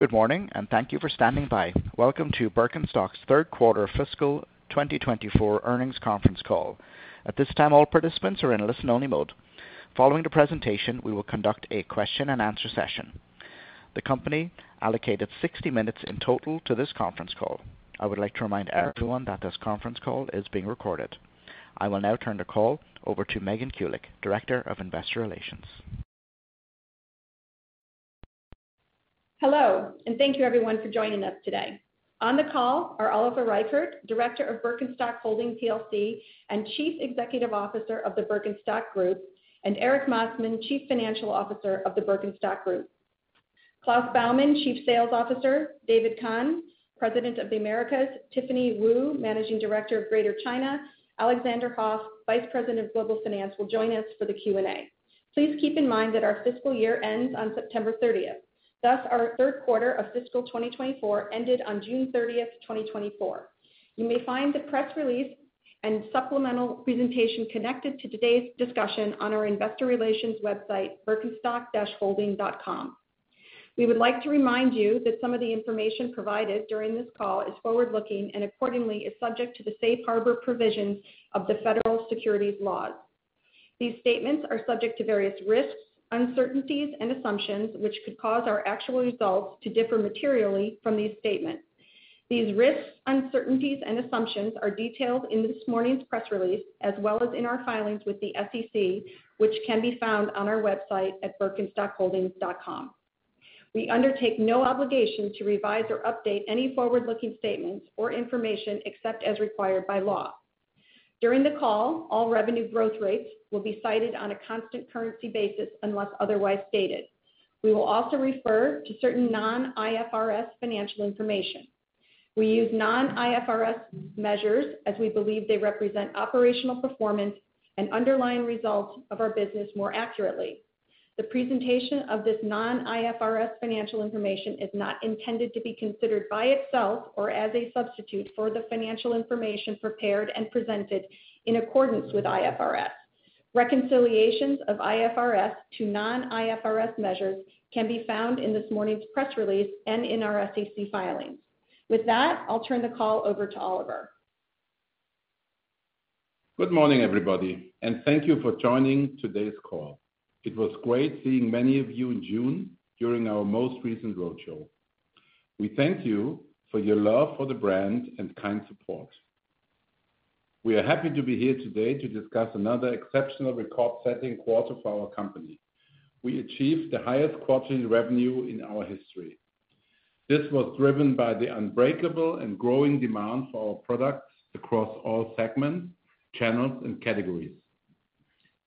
Good morning, and thank you for standing by. Welcome to Birkenstock's third quarter fiscal 2024 earnings conference call. At this time, all participants are in listen-only mode. Following the presentation, we will conduct a question-and-answer session. The company allocated 60 minutes in total to this conference call. I would like to remind everyone that this conference call is being recorded. I will now turn the call over to Megan Kulick, Director of Investor Relations. Hello, and thank you everyone for joining us today. On the call are Oliver Reichert, Director of Birkenstock Holding plc, and Chief Executive Officer of the Birkenstock Group, and Erik Massmann, Chief Financial Officer of the Birkenstock Group. Klaus Baumann, Chief Sales Officer, David Kahan, President of the Americas, Tiffany Wu, Managing Director of Greater China, Alexander Hoff, Vice President of Global Finance, will join us for the Q&A. Please keep in mind that our fiscal year ends on September 30th. Thus, our third quarter of fiscal 2024 ended on June 30th, 2024. You may find the press release and supplemental presentation connected to today's discussion on our investor relations website, birkenstock-holding.com. We would like to remind you that some of the information provided during this call is forward-looking and accordingly, is subject to the safe harbor provisions of the federal securities laws. These statements are subject to various risks, uncertainties, and assumptions, which could cause our actual results to differ materially from these statements. These risks, uncertainties and assumptions are detailed in this morning's press release, as well as in our filings with the SEC, which can be found on our website at birkenstockholding.com. We undertake no obligation to revise or update any forward-looking statements or information except as required by law. During the call, all revenue growth rates will be cited on a constant currency basis, unless otherwise stated. We will also refer to certain non-IFRS financial information. We use non-IFRS measures as we believe they represent operational performance and underlying results of our business more accurately. The presentation of this non-IFRS financial information is not intended to be considered by itself or as a substitute for the financial information prepared and presented in accordance with IFRS. Reconciliations of IFRS to non-IFRS measures can be found in this morning's press release and in our SEC filings. With that, I'll turn the call over to Oliver. Good morning, everybody, and thank you for joining today's call. It was great seeing many of you in June during our most recent roadshow. We thank you for your love for the brand and kind support. We are happy to be here today to discuss another exceptional record-setting quarter for our company. We achieved the highest quarter in revenue in our history. This was driven by the unbreakable and growing demand for our products across all segments, channels, and categories.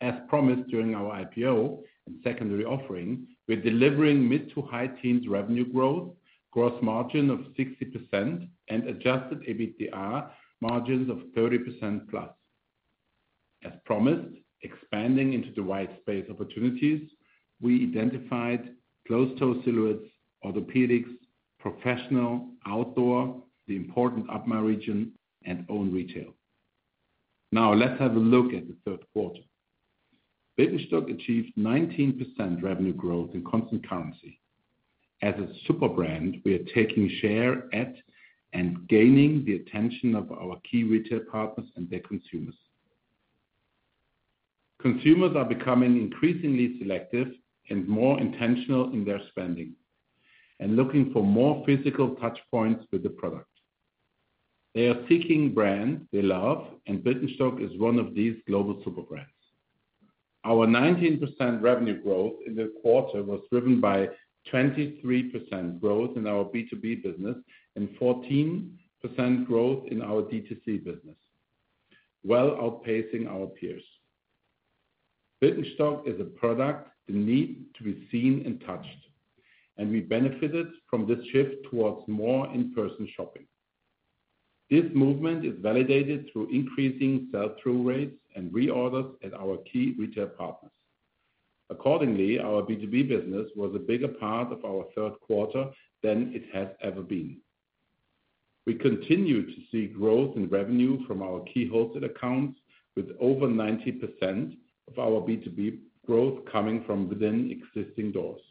As promised, during our IPO and secondary offering, we're delivering mid-to-high teens revenue growth, gross margin of 60% and adjusted EBITDA margins of 30%+. As promised, expanding into the white space opportunities, we identified closed-toe silhouettes, orthopedics, professional, outdoor, the important APMA region, and own retail. Now, let's have a look at the third quarter. Birkenstock achieved 19% revenue growth in constant currency. As a super brand, we are taking share and gaining the attention of our key retail partners and their consumers. Consumers are becoming increasingly selective and more intentional in their spending, and looking for more physical touchpoints with the product. They are seeking brands they love, and Birkenstock is one of these global super brands. Our 19% revenue growth in the quarter was driven by 23% growth in our B2B business and 14% growth in our D2C business, well outpacing our peers. Birkenstock is a product that need to be seen and touched, and we benefited from this shift towards more in-person shopping. This movement is validated through increasing sell-through rates and reorders at our key retail partners. Accordingly, our B2B business was a bigger part of our third quarter than it has ever been. We continue to see growth in revenue from our key wholesale accounts, with over 90% of our B2B growth coming from within existing doors.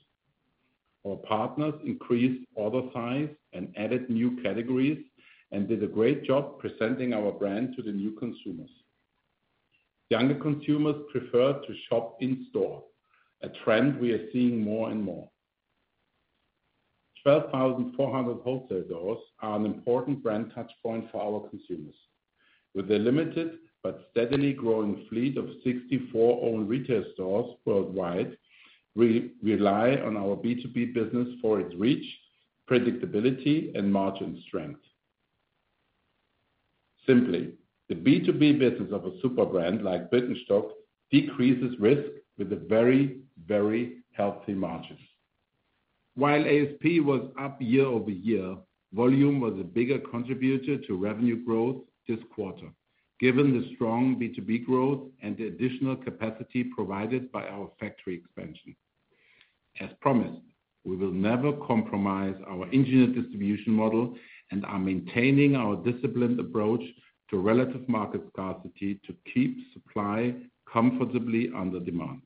Our partners increased order size and added new categories and did a great job presenting our brand to the new consumers. Younger consumers prefer to shop in-store, a trend we are seeing more and more. 12,400 wholesale doors are an important brand touchpoint for our consumers. With a limited but steadily growing fleet of 64 own retail stores worldwide, we rely on our B2B business for its reach, predictability, and margin strength. Simply, the B2B business of a super brand like Birkenstock decreases risk with a very, very healthy margins. While ASP was up year-over-year, volume was a bigger contributor to revenue growth this quarter, given the strong B2B growth and the additional capacity provided by our factory expansion. As promised, we will never compromise our engineered distribution model and are maintaining our disciplined approach to relative market scarcity to keep supply comfortably under demand.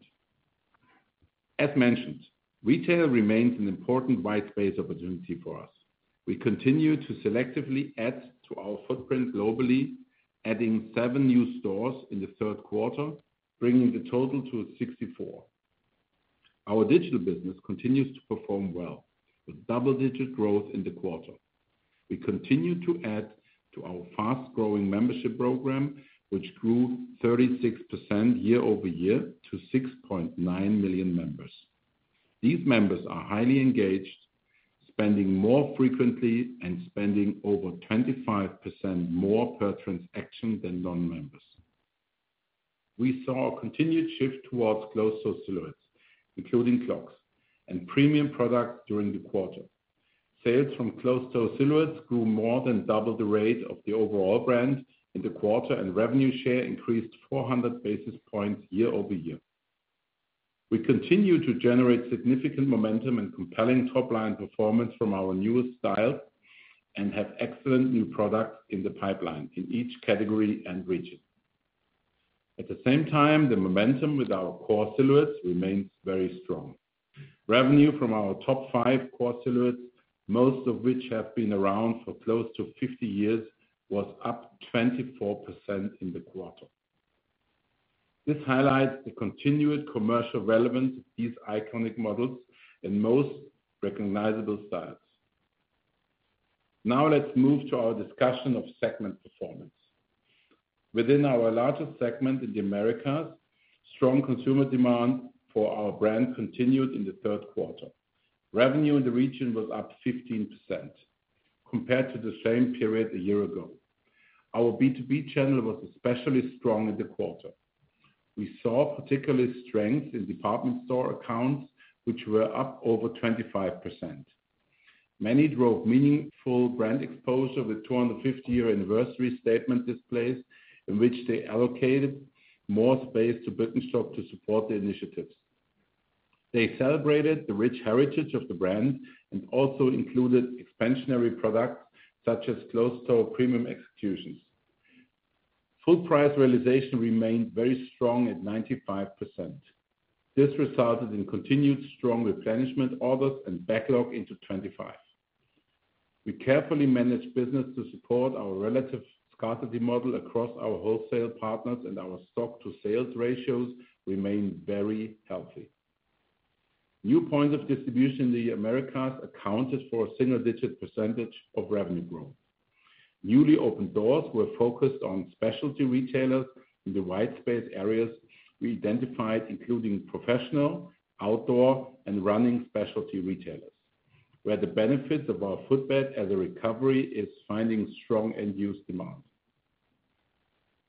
As mentioned, retail remains an important white space opportunity for us. We continue to selectively add to our footprint globally, adding seven new stores in the third quarter, bringing the total to 64. Our digital business continues to perform well, with double-digit growth in the quarter. We continue to add to our fast-growing membership program, which grew 36% year-over-year to 6.9 million members. These members are highly engaged, spending more frequently and spending over 25% more per transaction than non-members. We saw a continued shift towards closed-toe silhouettes, including clogs and premium products during the quarter. Sales from closed-toe silhouettes grew more than double the rate of the overall brand in the quarter, and revenue share increased 400 basis points year-over-year. We continue to generate significant momentum and compelling top-line performance from our newest styles, and have excellent new products in the pipeline in each category and region. At the same time, the momentum with our core silhouettes remains very strong. Revenue from our top five core silhouettes, most of which have been around for close to 50 years, was up 24% in the quarter. This highlights the continued commercial relevance of these iconic models and most recognizable styles. Now let's move to our discussion of segment performance. Within our largest segment in the Americas, strong consumer demand for our brand continued in the third quarter. Revenue in the region was up 15% compared to the same period a year ago. Our B2B channel was especially strong in the quarter. We saw particular strength in department store accounts, which were up over 25%. Many drove meaningful brand exposure with 250-year anniversary statement displays, in which they allocated more space to Birkenstock to support the initiatives. They celebrated the rich heritage of the brand and also included expansionary products, such as closed-toe premium executions. Full price realization remained very strong at 95%. This resulted in continued strong replenishment orders and backlog into 2025. We carefully managed business to support our relative scarcity model across our wholesale partners, and our stock-to-sales ratios remain very healthy. New points of distribution in the Americas accounted for a single-digit percentage of revenue growth. Newly opened doors were focused on specialty retailers in the white space areas we identified, including professional, outdoor, and running specialty retailers, where the benefits of our footbed as a recovery is finding strong end-use demand.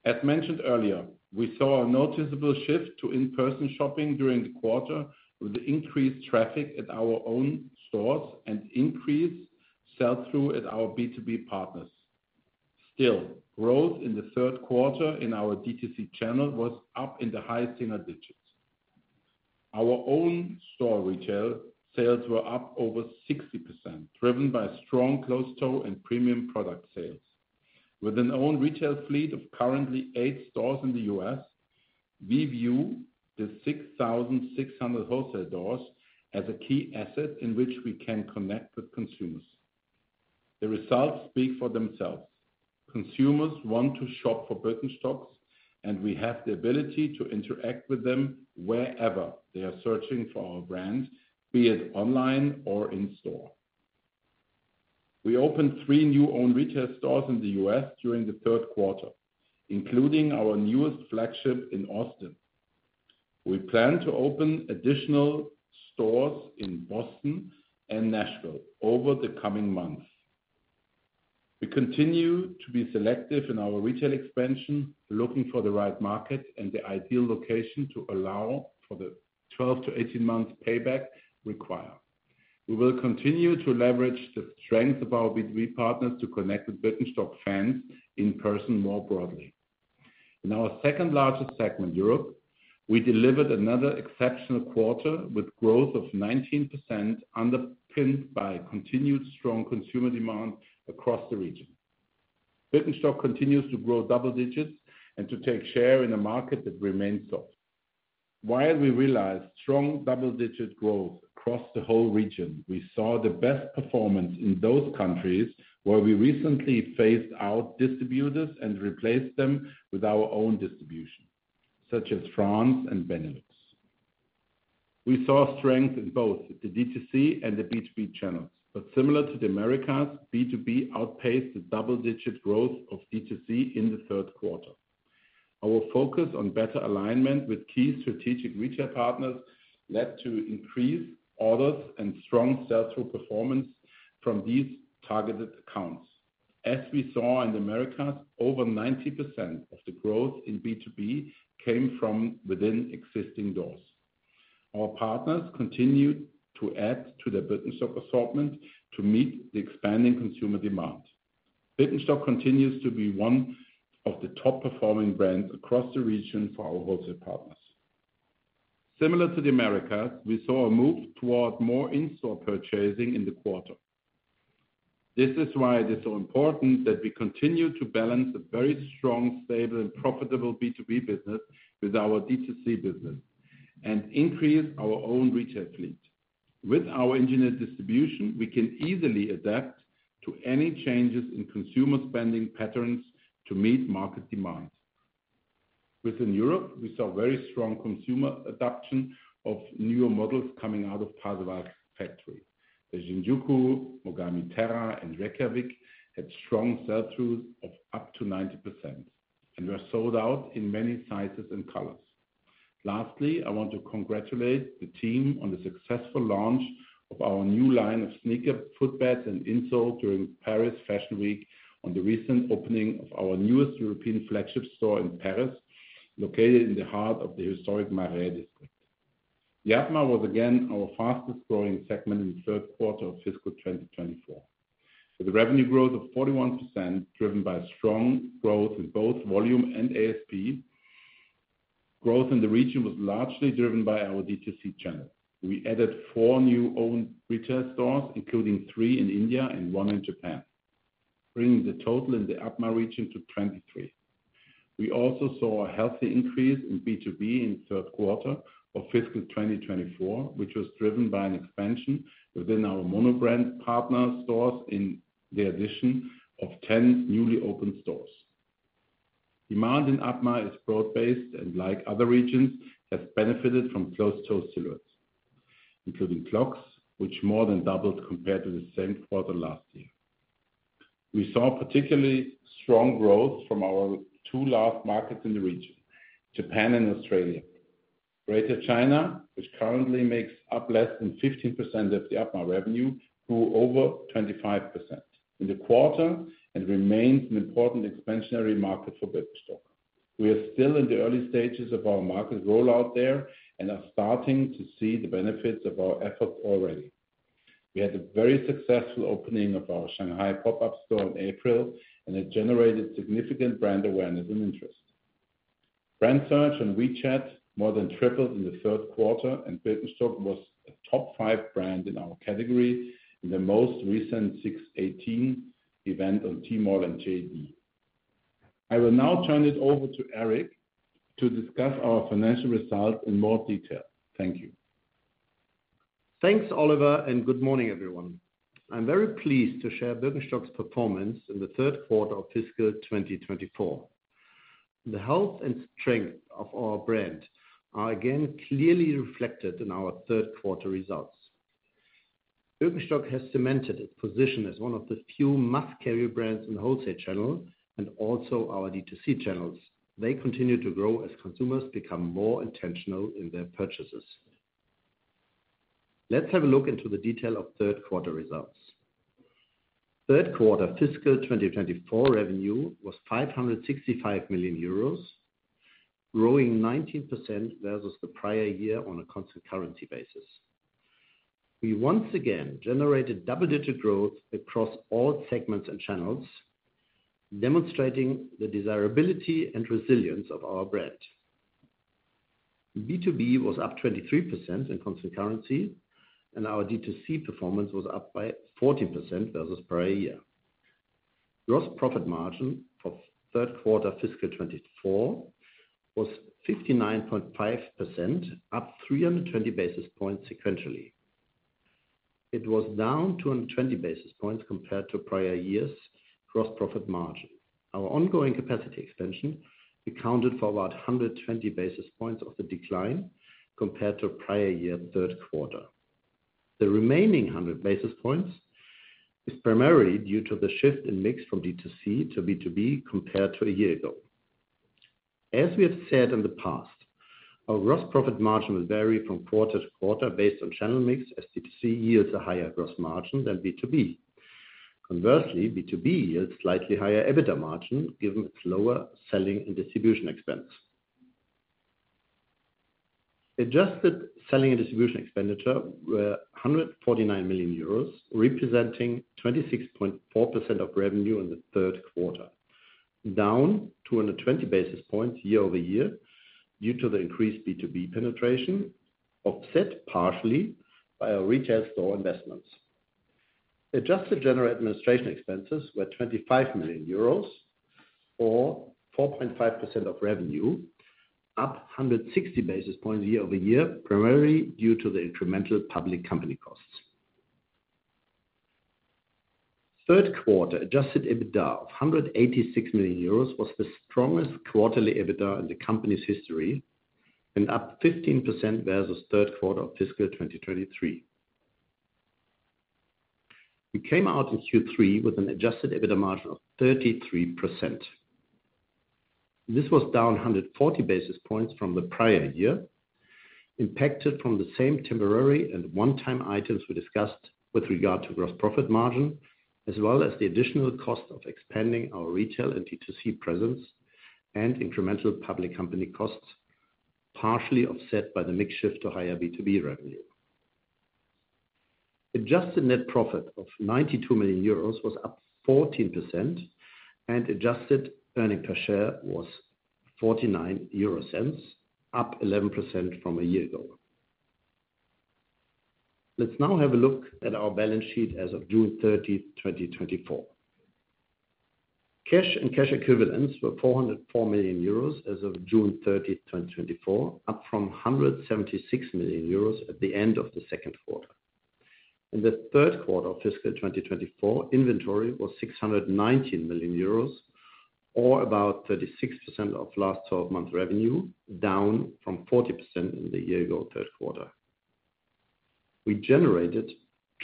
As mentioned earlier, we saw a noticeable shift to in-person shopping during the quarter, with increased traffic at our own stores and increased sell-through at our B2B partners. Still, growth in the third quarter in our D2C channel was up in the high single digits. Our own store retail sales were up over 60%, driven by strong closed-toe and premium product sales. With an own retail fleet of currently eight stores in the U.S., we view the 6,600 wholesale doors as a key asset in which we can connect with consumers. The results speak for themselves. Consumers want to shop for Birkenstocks, and we have the ability to interact with them wherever they are searching for our brand, be it online or in store. We opened three new own retail stores in the U.S. during the third quarter, including our newest flagship in Austin. We plan to open additional stores in Boston and Nashville over the coming months. We continue to be selective in our retail expansion, looking for the right market and the ideal location to allow for the 12- to 18-month payback required. We will continue to leverage the strength of our B2B partners to connect with Birkenstock fans in person more broadly. In our second largest segment, Europe, we delivered another exceptional quarter with growth of 19%, underpinned by continued strong consumer demand across the region. Birkenstock continues to grow double digits and to take share in a market that remains soft. While we realized strong double-digit growth across the whole region, we saw the best performance in those countries where we recently phased out distributors and replaced them with our own distribution, such as France and Benelux. We saw strength in both the D2C and the B2B channels, but similar to the Americas, B2B outpaced the double-digit growth of D2C in the third quarter. Our focus on better alignment with key strategic retail partners led to increased orders and strong sell-through performance from these targeted accounts. As we saw in the Americas, over 90% of the growth in B2B came from within existing doors. Our partners continued to add to their Birkenstock assortment to meet the expanding consumer demand. Birkenstock continues to be one of the top performing brands across the region for our wholesale partners. Similar to the Americas, we saw a move toward more in-store purchasing in the quarter. This is why it is so important that we continue to balance a very strong, stable and profitable B2B business with our D2C business and increase our own retail fleet. With our engineered distribution, we can easily adapt to any changes in consumer spending patterns to meet market demands. Within Europe, we saw very strong consumer adoption of newer models coming out of Pasewalk factory. The Shinjuku, Mogami Terra and Reykjavik had strong sell-through of up to 90% and were sold out in many sizes and colors. Lastly, I want to congratulate the team on the successful launch of our new line of sneaker footbeds and insoles during Paris Fashion Week, on the recent opening of our newest European flagship store in Paris, located in the heart of the historic Marais district. APMA was again our fastest growing segment in the third quarter of fiscal 2024, with a revenue growth of 41%, driven by strong growth in both volume and ASP. Growth in the region was largely driven by our D2C channel. We added four new own retail stores, including three in India and one in Japan, bringing the total in the APMA region to 23. We also saw a healthy increase in B2B in third quarter of fiscal 2024, which was driven by an expansion within our monobrand partner stores in the addition of 10 newly opened stores. Demand in APMA is broad-based, and like other regions, has benefited from closed-toe silhouettes, including clogs, which more than doubled compared to the same quarter last year. We saw particularly strong growth from our two largest markets in the region, Japan and Australia. Greater China, which currently makes up less than 15% of the APMA revenue, grew over 25% in the quarter and remains an important expansionary market for Birkenstock. We are still in the early stages of our market rollout there and are starting to see the benefits of our efforts already. We had a very successful opening of our Shanghai pop-up store in April, and it generated significant brand awareness and interest. Brand search on WeChat more than tripled in the third quarter, and Birkenstock was a top five brand in our category in the most recent 618 event on Tmall and JD. I will now turn it over to Erik to discuss our financial results in more detail. Thank you. Thanks, Oliver, and good morning, everyone. I'm very pleased to share Birkenstock's performance in the third quarter of fiscal 2024. The health and strength of our brand are again clearly reflected in our third quarter results. Birkenstock has cemented its position as one of the few must-carry brands in the wholesale channel and also our D2C channels. They continue to grow as consumers become more intentional in their purchases. Let's have a look into the detail of third quarter results. Third quarter fiscal 2024 revenue was 565 million euros, growing 19% versus the prior year on a constant currency basis. We once again generated double-digit growth across all segments and channels, demonstrating the desirability and resilience of our brand. B2B was up 23% in constant currency, and our D2C performance was up by 14% versus prior year. Gross profit margin for the third quarter fiscal 2024 was 59.5%, up 320 basis points sequentially. It was down 220 basis points compared to prior year's gross profit margin. Our ongoing capacity expansion accounted for about 120 basis points of the decline compared to prior year, third quarter. The remaining 100 basis points is primarily due to the shift in mix from D2C to B2B compared to a year ago. As we have said in the past, our gross profit margin will vary from quarter to quarter based on channel mix, as D2C yields a higher gross margin than B2B. Conversely, B2B yields slightly higher EBITDA margin, given its lower selling and distribution expense. Adjusted selling and distribution expenditure were 149 million euros, representing 26.4% of revenue in the third quarter, down 220 basis points year-over-year due to the increased B2B penetration, offset partially by our retail store investments. Adjusted general administration expenses were 25 million euros, or 4.5% of revenue, up 160 basis points year-over-year, primarily due to the incremental public company costs. Third quarter adjusted EBITDA of 186 million euros was the strongest quarterly EBITDA in the company's history and up 15% versus third quarter of fiscal 2023. We came out in Q3 with an adjusted EBITDA margin of 33%. This was down 140 basis points from the prior year, impacted from the same temporary and one-time items we discussed with regard to gross profit margin, as well as the additional cost of expanding our retail and D2C presence and incremental public company costs, partially offset by the mix shift to higher B2B revenue. Adjusted net profit of 92 million euros was up 14%, and adjusted earnings per share was 0.49, up 11% from a year ago. Let's now have a look at our balance sheet as of June 30th, 2024. Cash and cash equivalents were 404 million euros as of June 30th, 2024, up from 176 million euros at the end of the second quarter. In the third quarter of fiscal 2024, inventory was 619 million euros, or about 36% of last 12 month revenue, down from 40% in the year-ago third quarter. We generated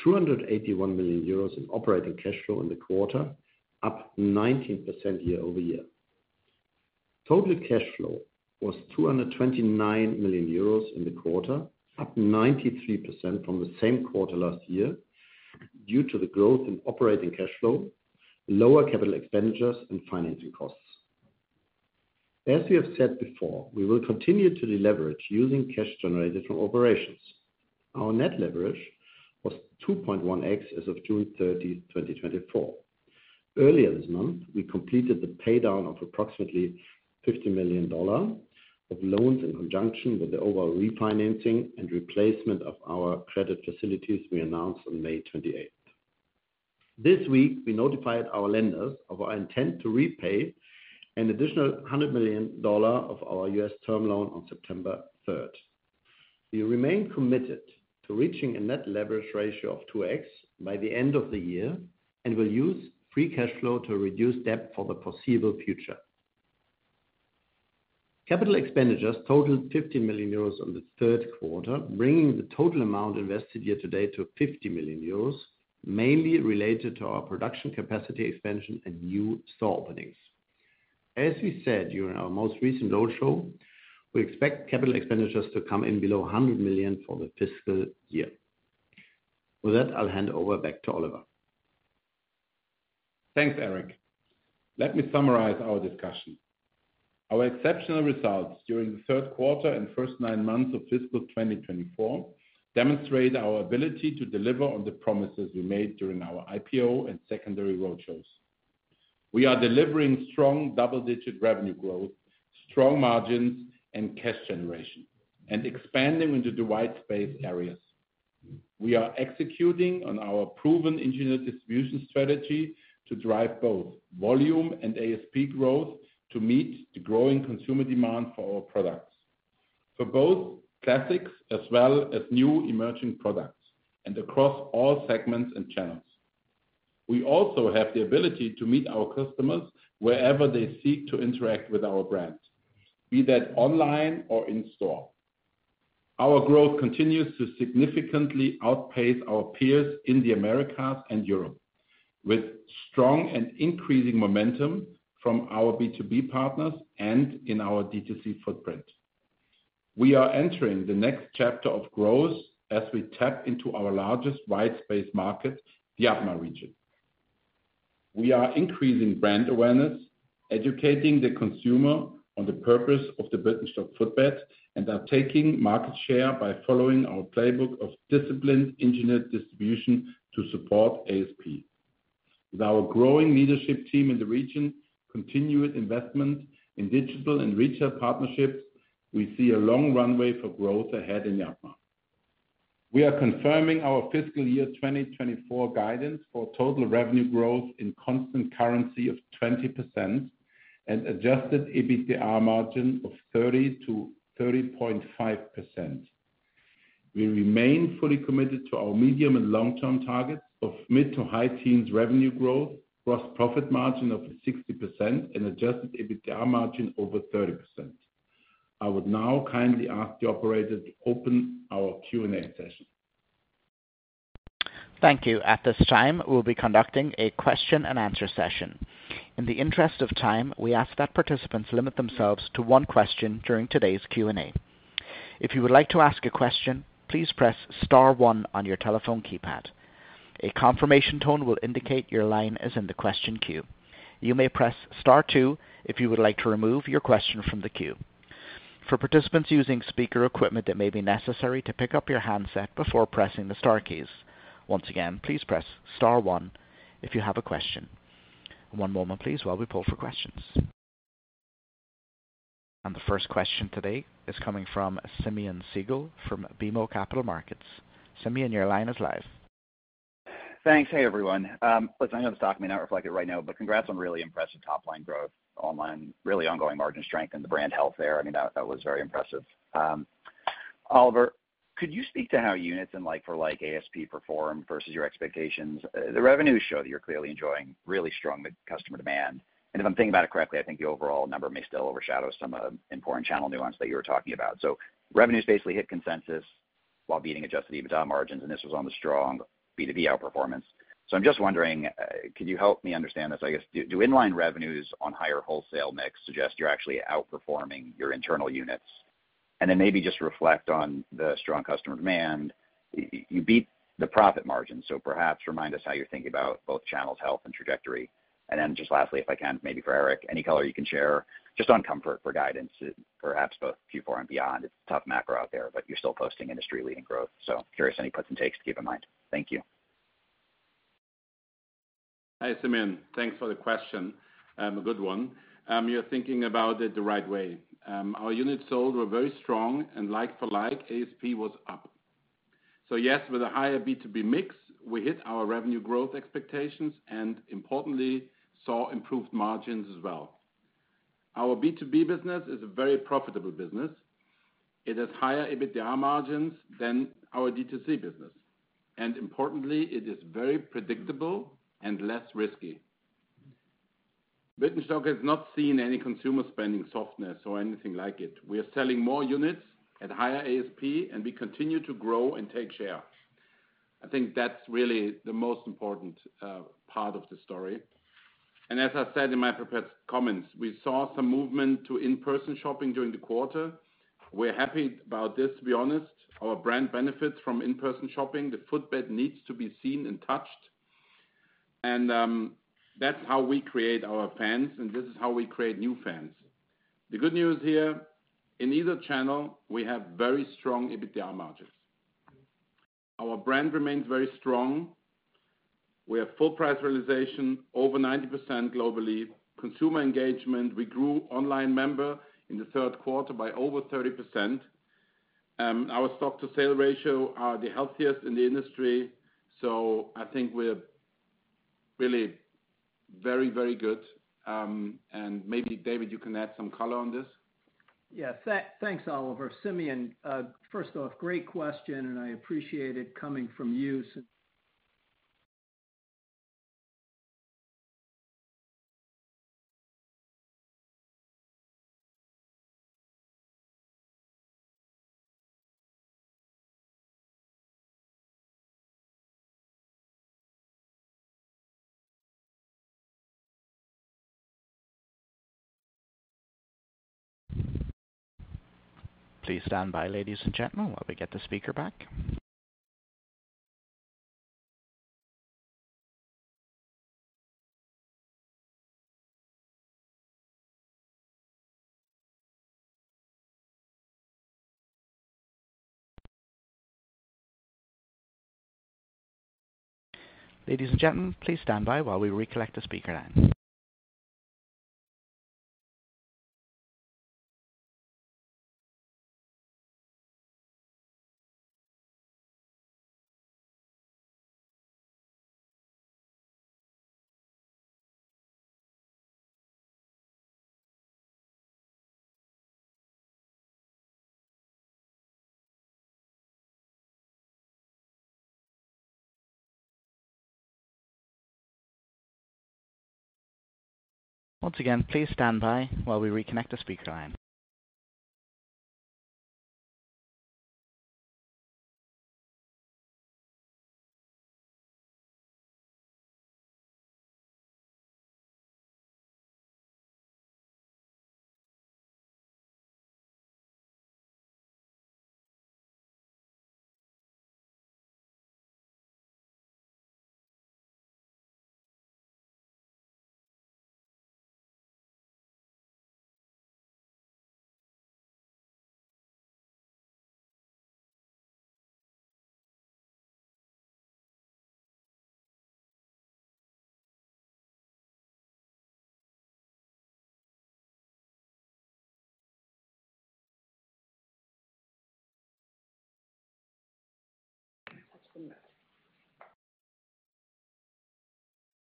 281 million euros in operating cash flow in the quarter, up 19% year-over-year. Total cash flow was 229 million euros in the quarter, up 93% from the same quarter last year, due to the growth in operating cash flow, lower capital expenditures, and financing costs. As we have said before, we will continue to deleverage using cash generated from operations. Our net leverage was 2.1x as of June 30th, 2024. Earlier this month, we completed the paydown of approximately $50 million of loans in conjunction with the overall refinancing and replacement of our credit facilities we announced on May 28th. This week, we notified our lenders of our intent to repay an additional $100 million of our U.S. term loan on September 3rd. We remain committed to reaching a net leverage ratio of 2x by the end of the year and will use free cash flow to reduce debt for the foreseeable future. Capital expenditures totaled 50 million euros in the third quarter, bringing the total amount invested year-to-date to 50 million euros, mainly related to our production capacity expansion and new store openings. As we said during our most recent roadshow, we expect capital expenditures to come in below 100 million for the fiscal year. With that, I'll hand over back to Oliver. Thanks, Erik. Let me summarize our discussion. Our exceptional results during the third quarter and first nine months of fiscal 2024 demonstrate our ability to deliver on the promises we made during our IPO and secondary roadshows. We are delivering strong double-digit revenue growth, strong margins and cash generation, and expanding into the white space areas. We are executing on our proven engineered distribution strategy to drive both volume and ASP growth to meet the growing consumer demand for our products, for both classics as well as new emerging products and across all segments and channels. We also have the ability to meet our customers wherever they seek to interact with our brands, be that online or in-store. Our growth continues to significantly outpace our peers in the Americas and Europe, with strong and increasing momentum from our B2B partners and in our D2C footprint. We are entering the next chapter of growth as we tap into our largest white space market, the APMA region. We are increasing brand awareness, educating the consumer on the purpose of the Birkenstock footbed, and are taking market share by following our playbook of disciplined engineered distribution to support ASP. With our growing leadership team in the region, continuous investment in digital and retail partnerships, we see a long runway for growth ahead in APMA. We are confirming our fiscal year 2024 guidance for total revenue growth in constant currency of 20% and adjusted EBITDA margin of 30%-30.5%. We remain fully committed to our medium and long-term targets of mid to high teens revenue growth, gross profit margin of 60%, and adjusted EBITDA margin over 30%. I would now kindly ask the operator to open our Q&A session. Thank you. At this time, we'll be conducting a question and answer session. In the interest of time, we ask that participants limit themselves to one question during today's Q&A. If you would like to ask a question, please press star one on your telephone keypad. A confirmation tone will indicate your line is in the question queue. You may press star two if you would like to remove your question from the queue. For participants using speaker equipment, it may be necessary to pick up your handset before pressing the star keys. Once again, please press star one if you have a question. One moment, please, while we pull for questions. And the first question today is coming from Simeon Siegel from BMO Capital Markets. Simeon, your line is live. Thanks. Hey, everyone. Listen, I know the stock may not reflect it right now, but congrats on really impressive top-line growth online, really ongoing margin strength and the brand health there. I mean, that was very impressive. Oliver, could you speak to how units and like for like ASP performed versus your expectations? The revenues show that you're clearly enjoying really strong customer demand, and if I'm thinking about it correctly, I think the overall number may still overshadow some important channel nuance that you were talking about, so revenues basically hit consensus while beating adjusted EBITDA margins, and this was on the strong B2B outperformance, so I'm just wondering, could you help me understand this? I guess, do inline revenues on higher wholesale mix suggest you're actually outperforming your internal units, and then maybe just reflect on the strong customer demand. You beat the profit margin, so perhaps remind us how you're thinking about both channels' health and trajectory. And then just lastly, if I can, maybe for Erik, any color you can share just on comfort for guidance, perhaps both Q4 and beyond. It's a tough macro out there, but you're still posting industry-leading growth. So curious any puts and takes to keep in mind. Thank you. Hi, Simeon. Thanks for the question, a good one. You're thinking about it the right way. Our units sold were very strong and like for like, ASP was up. So yes, with a higher B2B mix, we hit our revenue growth expectations and importantly, saw improved margins as well. Our B2B business is a very profitable business. It has higher EBITDA margins than our D2C business, and importantly, it is very predictable and less risky. Birkenstock has not seen any consumer spending softness or anything like it. We are selling more units at higher ASP, and we continue to grow and take share. I think that's really the most important part of the story, and as I said in my prepared comments, we saw some movement to in-person shopping during the quarter. We're happy about this, to be honest. Our brand benefits from in-person shopping. The footbed needs to be seen and touched, and that's how we create our fans, and this is how we create new fans. The good news here, in either channel, we have very strong EBITDA margins. Our brand remains very strong. We have full price realization, over 90% globally. Consumer engagement, we grew online member in the third quarter by over 30%. Our stock-to-sales ratio are the healthiest in the industry, so I think we're really very, very good. Maybe, David, you can add some color on this. Yeah. Thanks, Oliver. Simeon, first off, great question, and I appreciate it coming from you. Please stand by, ladies and gentlemen, while we get the speaker back. Ladies and gentlemen, please stand by while we reconnect the speaker line. Once again, please stand by while we reconnect the speaker line.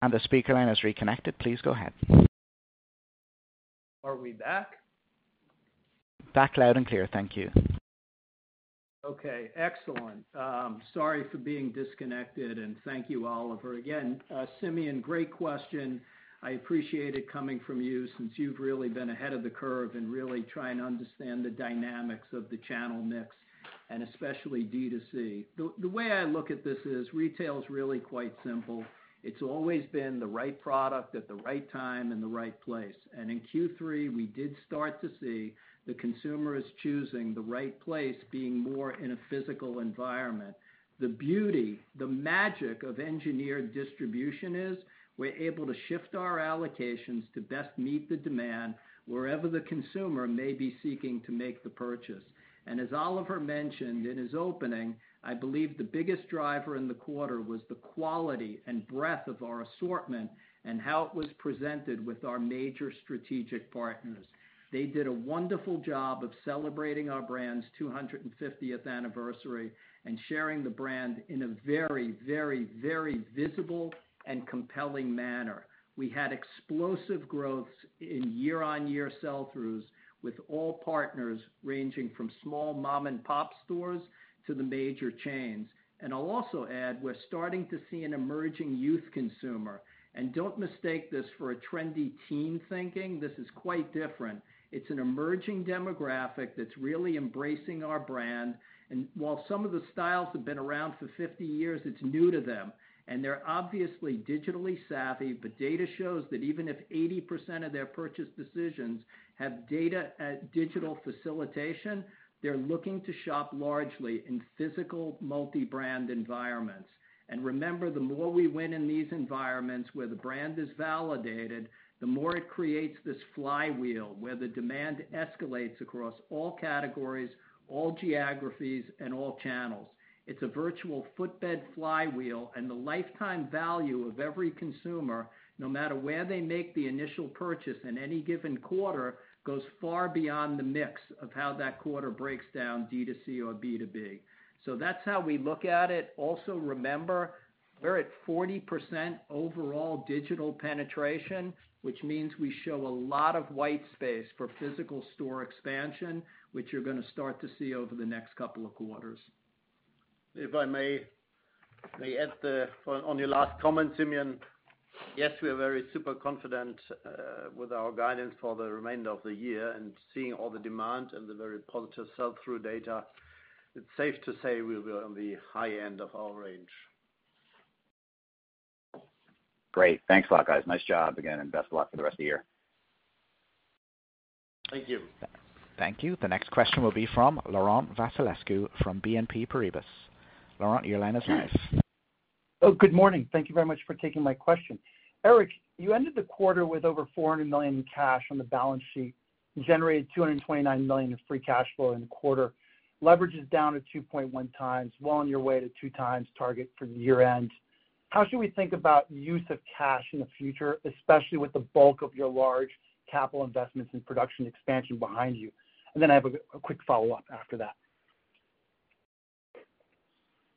And the speaker line is reconnected. Please go ahead. Are we back? Back, loud and clear. Thank you. Okay, excellent. Sorry for being disconnected, and thank you, Oliver. Again, Simeon, great question. I appreciate it coming from you, since you've really been ahead of the curve and really trying to understand the dynamics of the channel mix and especially D2C. The way I look at this is, retail is really quite simple. It's always been the right product at the right time and the right place. And in Q3, we did start to see the consumer is choosing the right place, being more in a physical environment. The beauty, the magic of engineered distribution is, we're able to shift our allocations to best meet the demand wherever the consumer may be seeking to make the purchase. As Oliver mentioned in his opening, I believe the biggest driver in the quarter was the quality and breadth of our assortment and how it was presented with our major strategic partners. They did a wonderful job of celebrating our brand's 250th anniversary and sharing the brand in a very, very, very visible and compelling manner. We had explosive growths in year-on-year sell-throughs with all partners, ranging from small mom-and-pop stores to the major chains. I'll also add, we're starting to see an emerging youth consumer. Don't mistake this for a trendy teen thinking. This is quite different. It's an emerging demographic that's really embracing our brand, and while some of the styles have been around for 50 years, it's new to them. And they're obviously digitally savvy, but data shows that even if 80% of their purchase decisions have data at digital facilitation, they're looking to shop largely in physical, multi-brand environments. And remember, the more we win in these environments where the brand is validated, the more it creates this flywheel, where the demand escalates across all categories, all geographies, and all channels. It's a virtuous footbed flywheel, and the lifetime value of every consumer, no matter where they make the initial purchase in any given quarter, goes far beyond the mix of how that quarter breaks down, D2C or B2B. So that's how we look at it. Also, remember, we're at 40% overall digital penetration, which means we show a lot of white space for physical store expansion, which you're gonna start to see over the next couple of quarters. If I may add on your last comment, Simeon. Yes, we are very super confident with our guidance for the remainder of the year, and seeing all the demand and the very positive sell-through data, it's safe to say we were on the high end of our range. Great. Thanks a lot, guys. Nice job again, and best of luck for the rest of the year. Thank you. Thank you. The next question will be from Laurent Vasilescu, from BNP Paribas. Laurent, your line is live. Oh, good morning. Thank you very much for taking my question. Erik, you ended the quarter with over 400 million in cash on the balance sheet, and generated 229 million in free cash flow in the quarter. Leverage is down to 2.1x, well on your way to 2x target for the year end. How should we think about use of cash in the future, especially with the bulk of your large capital investments and production expansion behind you? And then I have a quick follow-up after that.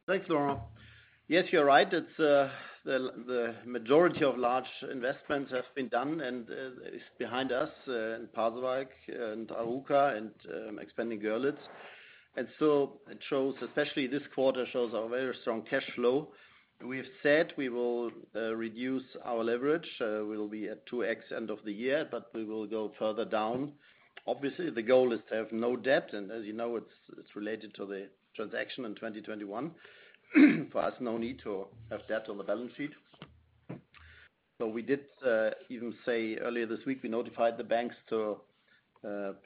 Thanks, Laurent. Yes, you're right. It's the majority of large investments have been done, and is behind us in Pasewalk and Arouca and expanding Görlitz, and so it shows, especially this quarter, our very strong cash flow. We've said we will reduce our leverage. We'll be at 2x end of the year, but we will go further down. Obviously, the goal is to have no debt, and as you know, it's related to the transaction in 2021. For us, no need to have debt on the balance sheet, so we did even say earlier this week, we notified the banks to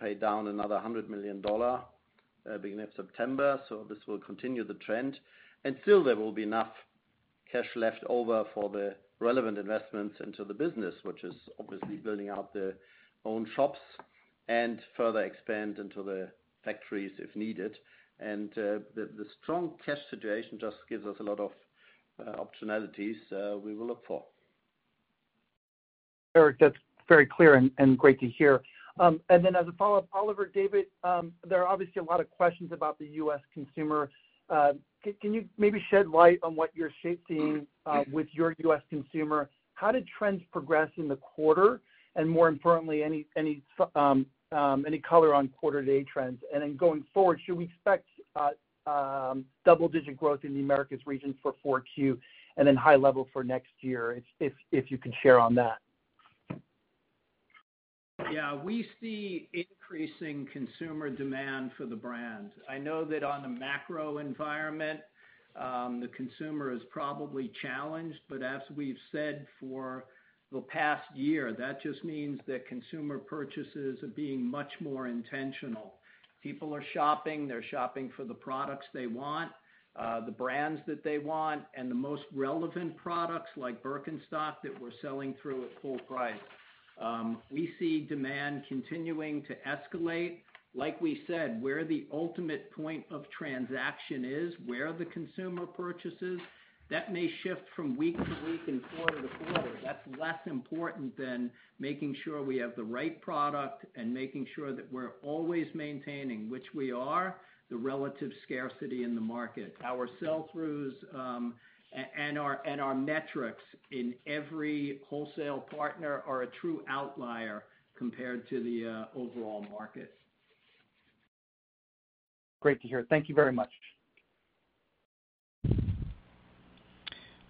pay down another $100 million beginning of September, so this will continue the trend. And still there will be enough cash left over for the relevant investments into the business, which is obviously building out the own shops and further expand into the factories, if needed. And the strong cash situation just gives us a lot of optionalities we will look for. Erik, that's very clear and great to hear, and then as a follow-up, Oliver, David, there are obviously a lot of questions about the U.S. consumer. Can you maybe shed light on what you're seeing with your U.S. consumer? How did trends progress in the quarter, and more importantly, any color on quarter to date trends? And then going forward, should we expect double digit growth in the Americas region for Q4, and then high level for next year? If you could share on that. Yeah, we see increasing consumer demand for the brand. I know that on a macro environment, the consumer is probably challenged, but as we've said for the past year, that just means that consumer purchases are being much more intentional. People are shopping, they're shopping for the products they want, the brands that they want, and the most relevant products, like Birkenstock, that we're selling through at full price. We see demand continuing to escalate. Like we said, where the ultimate point of transaction is, where are the consumer purchases, that may shift from week to week and quarter to quarter. That's less important than making sure we have the right product and making sure that we're always maintaining, which we are, the relative scarcity in the market. Our sell-throughs and our metrics in every wholesale partner are a true outlier compared to the overall market. Great to hear. Thank you very much.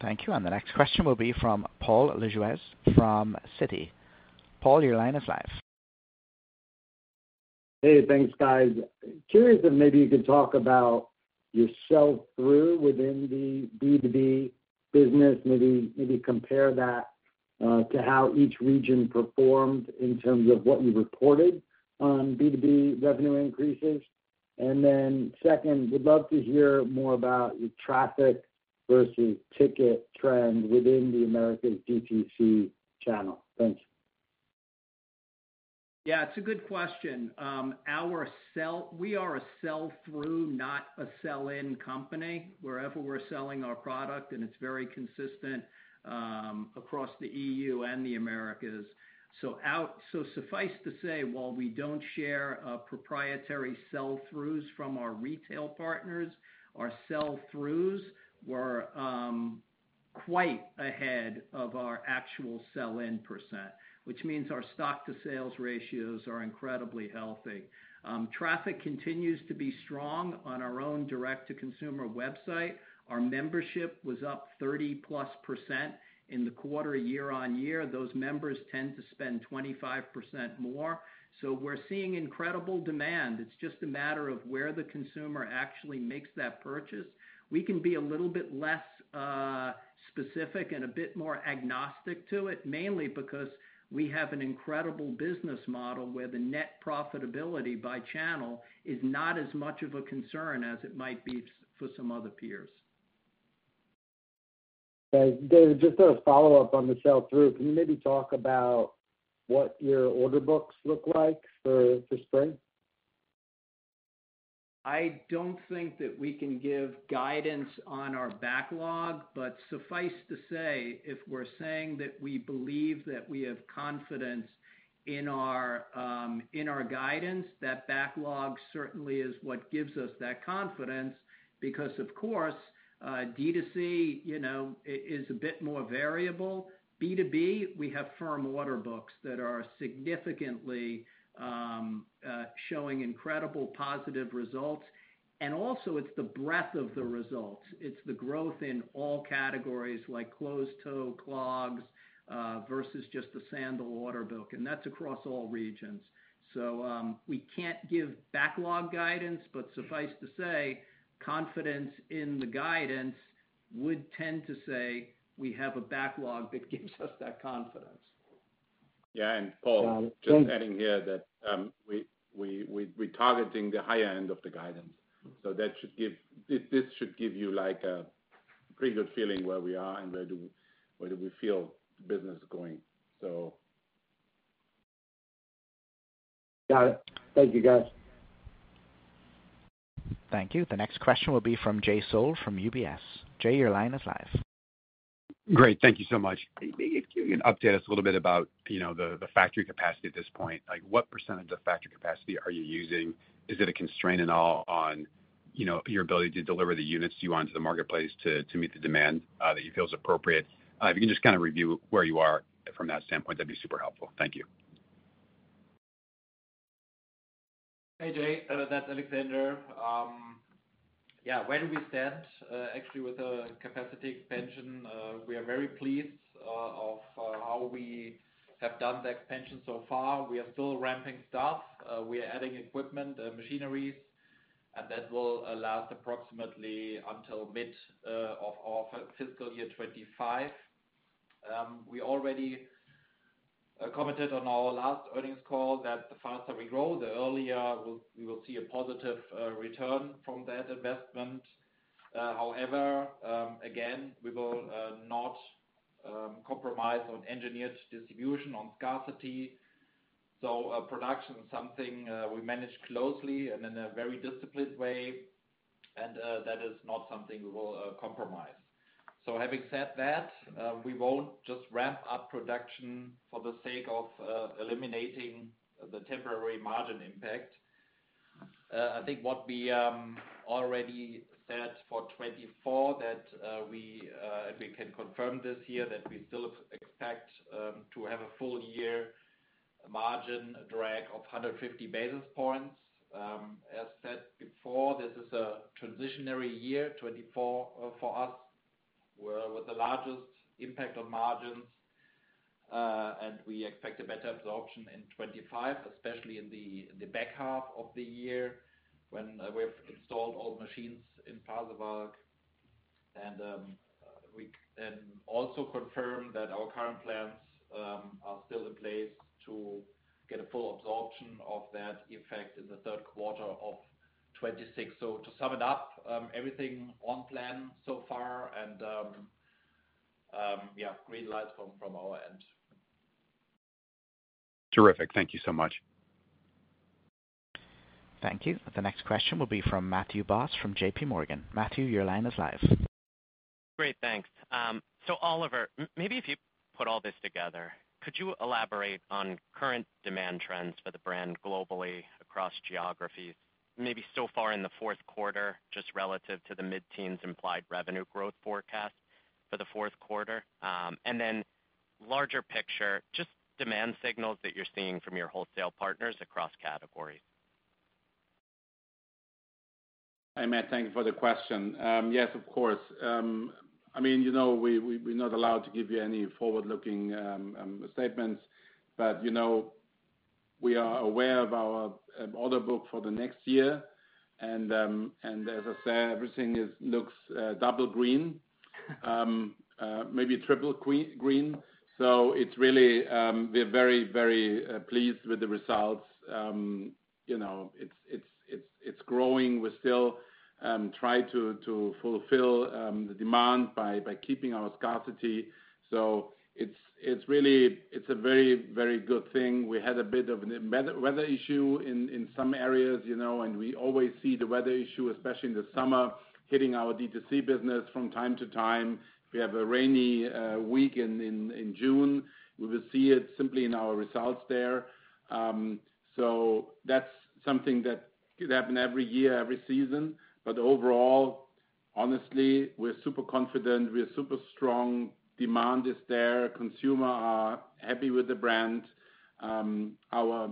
Thank you. And the next question will be from Paul Lejuez from Citi. Paul, your line is live. Hey, thanks, guys. Curious if maybe you could talk about your sell-through within the B2B business. Maybe compare that to how each region performed in terms of what you reported on B2B revenue increases, and then second, we'd love to hear more about your traffic versus ticket trend within the American D2C channel. Thanks. Yeah, it's a good question. We are a sell-through, not a sell-in company, wherever we're selling our product, and it's very consistent across the E.U. and the Americas. So suffice to say, while we don't share proprietary sell-throughs from our retail partners, our sell-throughs were quite ahead of our actual sell-in percent, which means our stock-to-sales ratios are incredibly healthy. Traffic continues to be strong on our own direct-to-consumer website. Our membership was up 30%+ in the quarter, year on year. Those members tend to spend 25% more. So we're seeing incredible demand. It's just a matter of where the consumer actually makes that purchase. We can be a little bit less specific and a bit more agnostic to it, mainly because we have an incredible business model, where the net profitability by channel is not as much of a concern as it might be for some other peers. Okay. David, just a follow-up on the sell-through. Can you maybe talk about what your order books look like for spring? I don't think that we can give guidance on our backlog, but suffice to say, if we're saying that we believe that we have confidence in our, in our guidance, that backlog certainly is what gives us that confidence, because, of course, D2C, you know, is a bit more variable. B2B, we have firm order books that are significantly, showing incredible positive results. And also it's the breadth of the results. It's the growth in all categories, like closed-toe clogs, versus just the sandal order book, and that's across all regions. So, we can't give backlog guidance, but suffice to say, confidence in the guidance would tend to say we have a backlog that gives us that confidence. Yeah, and Paul, just adding here that we're targeting the higher end of the guidance. This should give you, like, a pretty good feeling where we are and where we feel the business is going. So. Got it. Thank you, guys. Thank you. The next question will be from Jay Sole from UBS. Jay, your line is live. Great. Thank you so much. If you can update us a little bit about, you know, the factory capacity at this point. Like, what percentage of factory capacity are you using? Is it a constraint at all on, you know, your ability to deliver the units you want to the marketplace to meet the demand that you feel is appropriate? If you can just kind of review where you are from that standpoint, that'd be super helpful. Thank you. Hey, Jay, that's Alexander. Yeah, where do we stand actually with the capacity expansion? We are very pleased of how we have done the expansion so far. We are still ramping stuff. We are adding equipment, machineries, and that will last approximately until mid of our fiscal year 2025. We already commented on our last earnings call that the faster we grow, the earlier we'll see a positive return from that investment. However, again, we will not compromise on engineered distribution, on scarcity. So, production is something we manage closely and in a very disciplined way, and that is not something we will compromise. So having said that, we won't just ramp up production for the sake of eliminating the temporary margin impact. I think what we already said for 2024, that, and we can confirm this year, that we still expect to have a full-year margin drag of 150 basis points. As said before, this is a transitional year, 2024, for us. We're with the largest impact on margins, and we expect a better absorption in 2025, especially in the back half of the year when we've installed all machines in Pasewalk. Also confirm that our current plans are still in place to get a full absorption of that effect in the third quarter of 2026. So to sum it up, everything on plan so far and yeah, green light from our end. Terrific. Thank you so much. Thank you. The next question will be from Matthew Boss, from JPMorgan. Matthew, your line is live. Great, thanks. So Oliver, maybe if you put all this together, could you elaborate on current demand trends for the brand globally across geographies? Maybe so far in the fourth quarter, just relative to the mid-teens implied revenue growth forecast for the fourth quarter, and then larger picture, just demand signals that you're seeing from your wholesale partners across categories. Hey, Matt, thank you for the question. Yes, of course. I mean, you know, we're not allowed to give you any forward-looking statements, but, you know, we are aware of our order book for the next year, and as I said, everything looks double green, maybe triple green. So it's really, we're very, very pleased with the results. You know, it's growing. We're still try to fulfill the demand by keeping our scarcity. So it's really. It's a very, very good thing. We had a bit of a weather issue in some areas, you know, and we always see the weather issue, especially in the summer, hitting our D2C business from time to time. We have a rainy week in June. We will see it simply in our results there. So that's something that could happen every year, every season. But overall, honestly, we're super confident, we're super strong. Demand is there. Consumers are happy with the brand. Our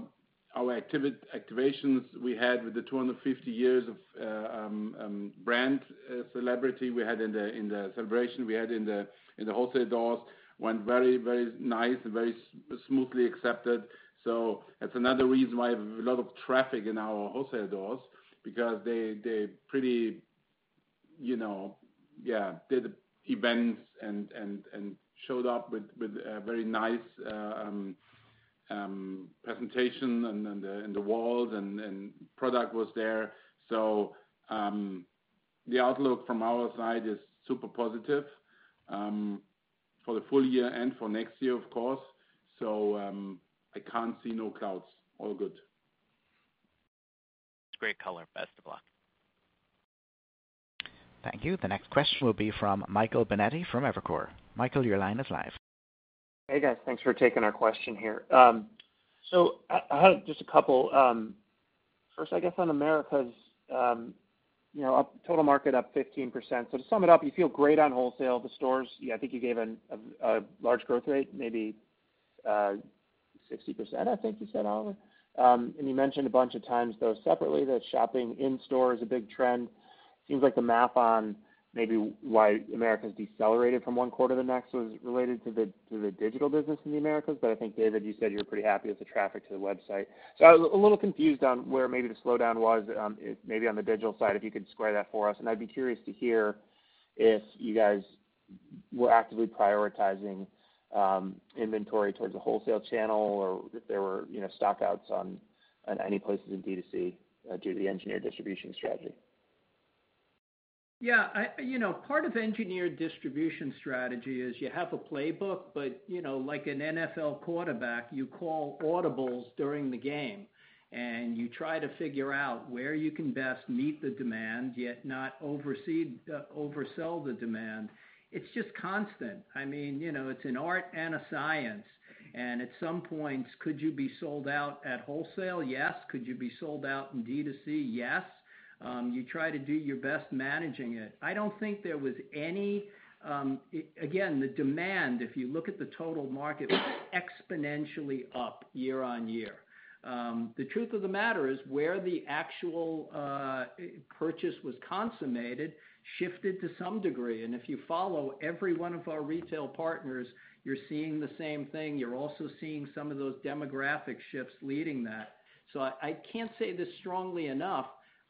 activations we had with the 250 years of brand celebration we had in the celebration we had in the wholesale doors went very nice and very smoothly accepted. So that's another reason why a lot of traffic in our wholesale doors, because they pretty, you know, yeah, did events and showed up with a very nice presentation and the walls and product was there. So the outlook from our side is super positive. For the full year and for next year, of course. So, I can't see no clouds. All good. Great color. Best of luck! Thank you. The next question will be from Michael Binetti from Evercore. Michael, your line is live. Hey, guys. Thanks for taking our question here so I had just a couple, first, I guess, on Americas, you know, total market up 15%. To sum it up, you feel great on wholesale. The stores, yeah, I think you gave a large growth rate, maybe 60%, I think you said, Oliver. And you mentioned a bunch of times, though, separately, that shopping in store is a big trend. Seems like the math on maybe why Americas decelerated from one quarter to the next was related to the digital business in the Americas. But I think, David, you said you're pretty happy with the traffic to the website, so I was a little confused on where maybe the slowdown was, maybe on the digital side, if you could square that for us. I'd be curious to hear if you guys were actively prioritizing inventory towards the wholesale channel, or if there were, you know, stockouts on any places in D2C due to the engineered distribution strategy. Yeah, you know, part of engineered distribution strategy is you have a playbook, but, you know, like an NFL quarterback, you call audibles during the game, and you try to figure out where you can best meet the demand, yet not overseed, oversell the demand. It's just constant. I mean, you know, it's an art and a science, and at some points, could you be sold out at wholesale? Yes. Could you be sold out in D2C? Yes. You try to do your best managing it. I don't think there was any, again, the demand, if you look at the total market, exponentially up year on year. The truth of the matter is, where the actual purchase was consummated shifted to some degree, and if you follow every one of our retail partners, you're seeing the same thing. You're also seeing some of those demographic shifts leading that. So I can't say this strongly enough,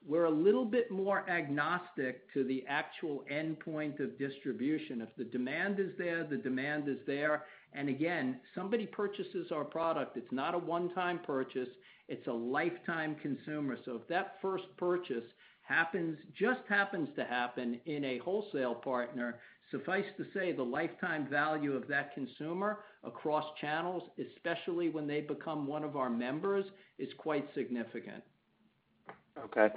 we're a little bit more agnostic to the actual endpoint of distribution. If the demand is there, the demand is there. And again, somebody purchases our product, it's not a one-time purchase, it's a lifetime consumer. So if that first purchase happens, just happens to happen in a wholesale partner, suffice to say, the lifetime value of that consumer across channels, especially when they become one of our members, is quite significant. Okay.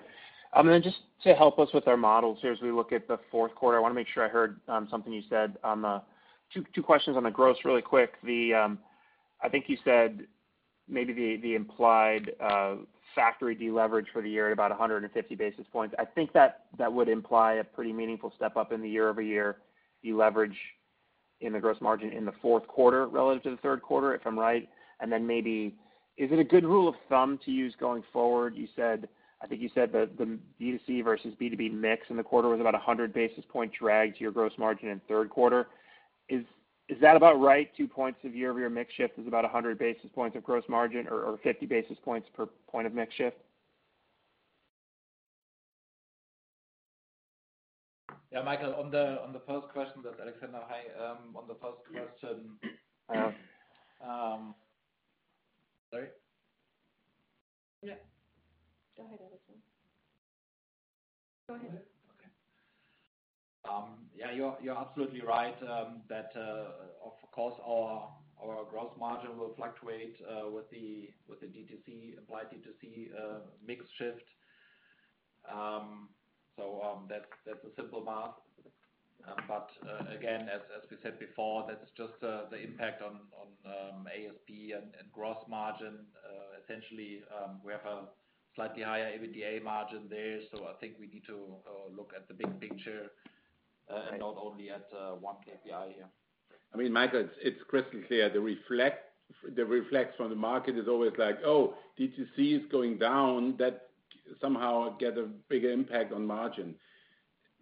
Then just to help us with our models here as we look at the fourth quarter, I want to make sure I heard something you said on the, two questions on the gross really quick. The, I think you said maybe the implied factory deleverage for the year at about 150 basis points. I think that would imply a pretty meaningful step up in the year-over-year deleverage in the gross margin in the fourth quarter relative to the third quarter, if I'm right, and then maybe, is it a good rule of thumb to use going forward? I think you said that the D2C versus B2B mix in the quarter was about 100 basis point drag to your gross margin in the third quarter. Is that about right, two points of year-over-year mix shift is about 100 basis points of gross margin or 50 basis points per point of mix shift? Yeah, Michael, on the first question that Alexander, hi, on the first question, sorry? Yeah. Go ahead, Alexander. Go ahead. Okay. Yeah, you're absolutely right that of course our gross margin will fluctuate with the D2C applied D2C mix shift. So that's a simple math. But again, as we said before, that's just the impact on ASP and gross margin. Essentially, we have a slightly higher EBITDA margin there, so I think we need to look at the big picture and not only at one KPI here. I mean, Michael, it's crystal clear, the feedback from the market is always like: Oh, D2C is going down, that somehow get a bigger impact on margin.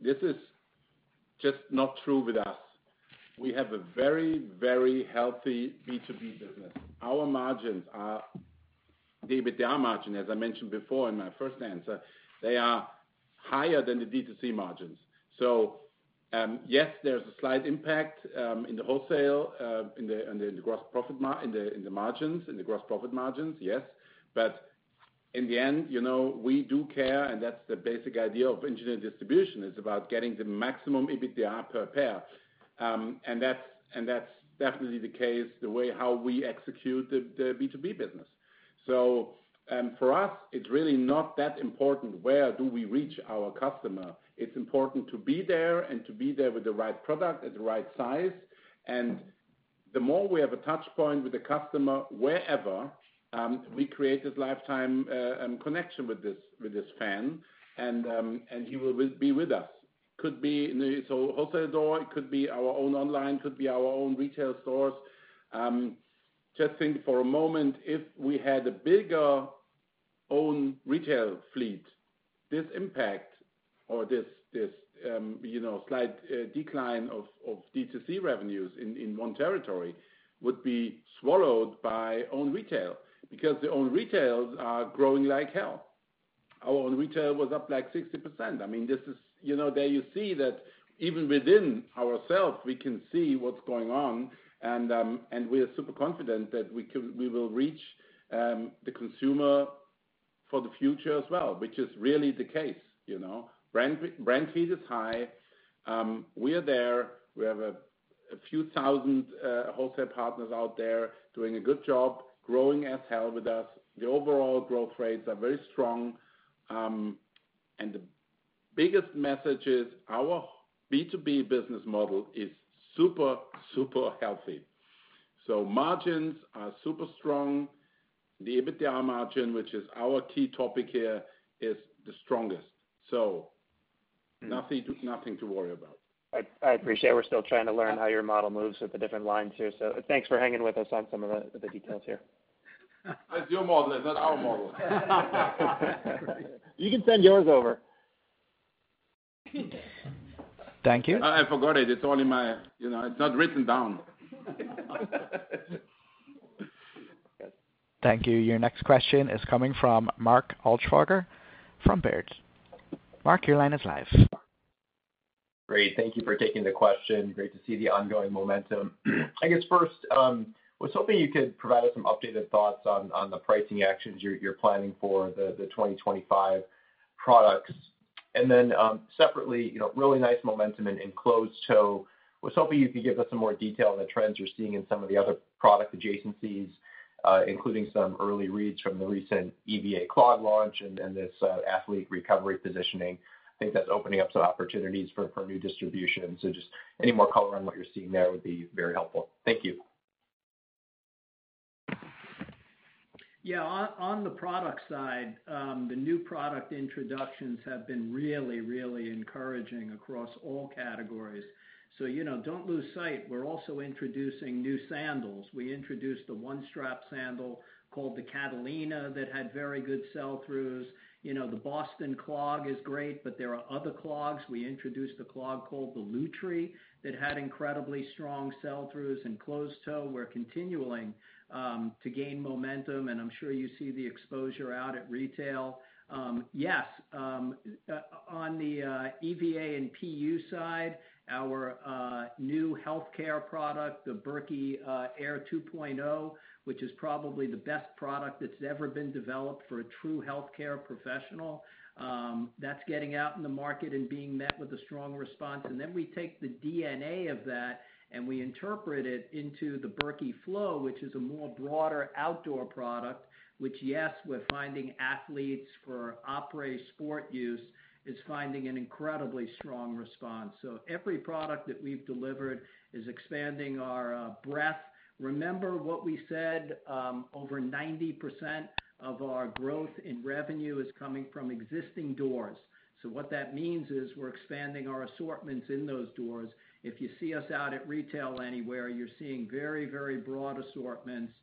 This is just not true with us. We have a very, very healthy B2B business. Our margins are the EBITDA margin, as I mentioned before in my first answer, they are higher than the D2C margins. So, yes, there's a slight impact in the wholesale, in the gross profit margins, yes. But in the end, you know, we do care, and that's the basic idea of engineered distribution, is about getting the maximum EBITDA per pair. And that's definitely the case, the way how we execute the B2B business. So, for us, it's really not that important where do we reach our customer? It's important to be there, and to be there with the right product at the right size. And the more we have a touchpoint with the customer, wherever, we create this lifetime connection with this, with this fan, and he will be with us. Could be in the wholesale door, it could be our own online, could be our own retail stores. Just think for a moment, if we had a bigger own retail fleet, this impact or this, you know, slight decline of D2C revenues in one territory would be swallowed by own retail, because the own retails are growing like hell. Our own retail was up, like, 60%. I mean, this is, you know, there you see that even within ourselves, we can see what's going on, and, and we are super confident that we can, we will reach the consumer for the future as well, which is really the case, you know? Brand heat is high. We are there. We have a few thousand wholesale partners out there doing a good job, growing as hell with us. The overall growth rates are very strong, and the biggest message is our B2B business model is super, super healthy, so margins are super strong. The EBITDA margin, which is our key topic here, is the strongest, so nothing to worry about. I appreciate we're still trying to learn how your model moves with the different lines here. So thanks for hanging with us on some of the details here. It's your model, not our model. You can send yours over. Thank you. I forgot it. It's only my, you know, it's not written down. Thank you. Your next question is coming from Mark Altschwager from Baird. Mark, your line is live. Great, thank you for taking the question. Great to see the ongoing momentum. I guess first, was hoping you could provide us some updated thoughts on the pricing actions you're planning for the 2025 products. And then, separately, you know, really nice momentum in closed toe. Was hoping you could give us some more detail on the trends you're seeing in some of the other product adjacencies, including some early reads from the recent EVA clog launch and this athlete recovery positioning. I think that's opening up some opportunities for new distribution. So just any more color on what you're seeing there would be very helpful. Thank you. Yeah, on the product side, the new product introductions have been really, really encouraging across all categories. So, you know, don't lose sight, we're also introducing new sandals. We introduced the one strap sandal called the Catalina, that had very good sell-throughs. You know, the Boston clog is great, but there are other clogs. We introduced a clog called the Lutry, that had incredibly strong sell-throughs and closed toe. We're continuing to gain momentum, and I'm sure you see the exposure out at retail. Yes, on the EVA and PU side, our new healthcare product, the Birki Air 2.0, which is probably the best product that's ever been developed for a true healthcare professional, that's getting out in the market and being met with a strong response. Then we take the DNA of that, and we interpret it into the Birki Flow, which is a more broader outdoor product, which, yes, we're finding athletes for après-sport use, is finding an incredibly strong response. Every product that we've delivered is expanding our breadth. Remember what we said, over 90% of our growth in revenue is coming from existing doors. What that means is, we're expanding our assortments in those doors. If you see us out at retail anywhere, you're seeing very, very broad assortments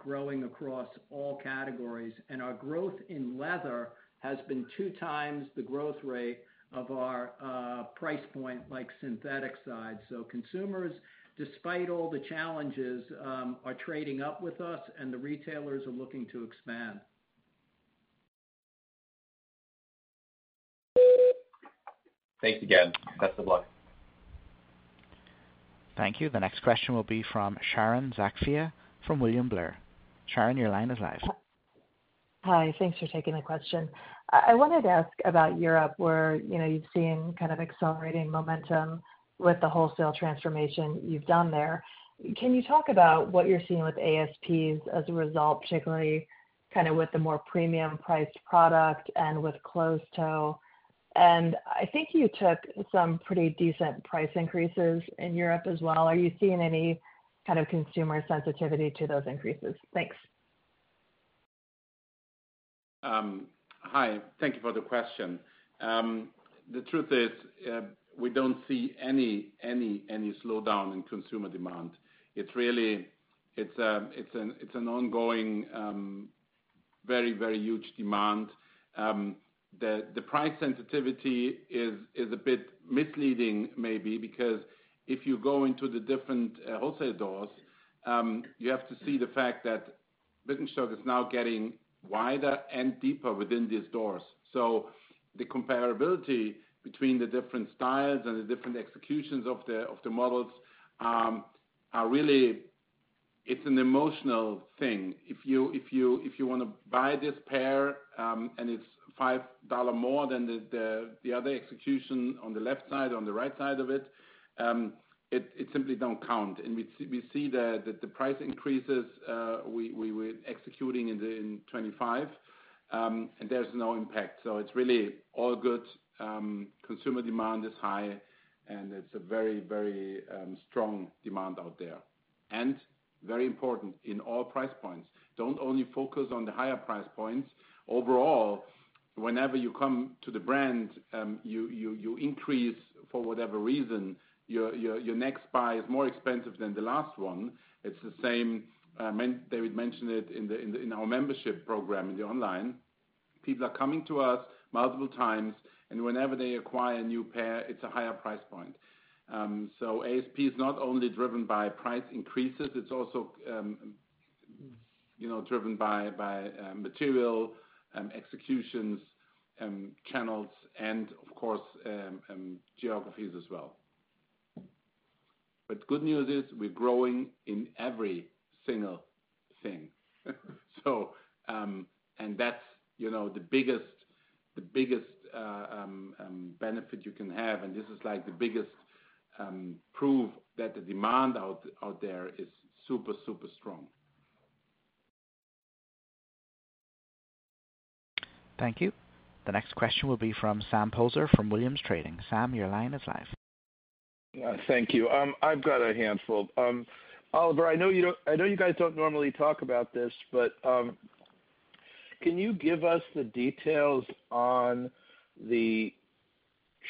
growing across all categories. Our growth in leather has been 2x the growth rate of our price point, like synthetic side. Consumers, despite all the challenges, are trading up with us, and the retailers are looking to expand. Thanks again. Best of luck. Thank you. The next question will be from Sharon Zackfia, from William Blair. Sharon, your line is live. Hi, thanks for taking the question. I wanted to ask about Europe, where, you know, you've seen kind of accelerating momentum with the wholesale transformation you've done there. Can you talk about what you're seeing with ASPs as a result, particularly kind of with the more premium priced product and with closed toe? And I think you took some pretty decent price increases in Europe as well. Are you seeing any kind of consumer sensitivity to those increases? Thanks. Hi, thank you for the question. The truth is, we don't see any slowdown in consumer demand. It's really an ongoing very huge demand. The price sensitivity is a bit misleading, maybe, because if you go into the different wholesale doors, you have to see the fact that Birkenstock is now getting wider and deeper within these stores. So the comparability between the different styles and the different executions of the models are really. It's an emotional thing. If you wanna buy this pair, and it's five dollar more than the other execution on the left side, on the right side of it, it simply don't count. We see the price increases. We're executing in 2025, and there's no impact. It's really all good. Consumer demand is high, and it's a very strong demand out there. Very important, in all price points. Don't only focus on the higher price points. Overall, whenever you come to the brand, you increase for whatever reason. Your next buy is more expensive than the last one. It's the same. David mentioned it in our membership program, in the online. People are coming to us multiple times, and whenever they acquire a new pair, it's a higher price point. So ASP is not only driven by price increases, it's also, you know, driven by material executions, channels, and of course geographies as well. But good news is, we're growing in every single thing. So and that's, you know, the biggest benefit you can have, and this is, like, the biggest proof that the demand out there is super, super strong. Thank you. The next question will be from Sam Poser from Williams Trading. Sam, your line is live. Thank you. I've got a handful. Oliver, I know you guys don't normally talk about this, but can you give us the details on the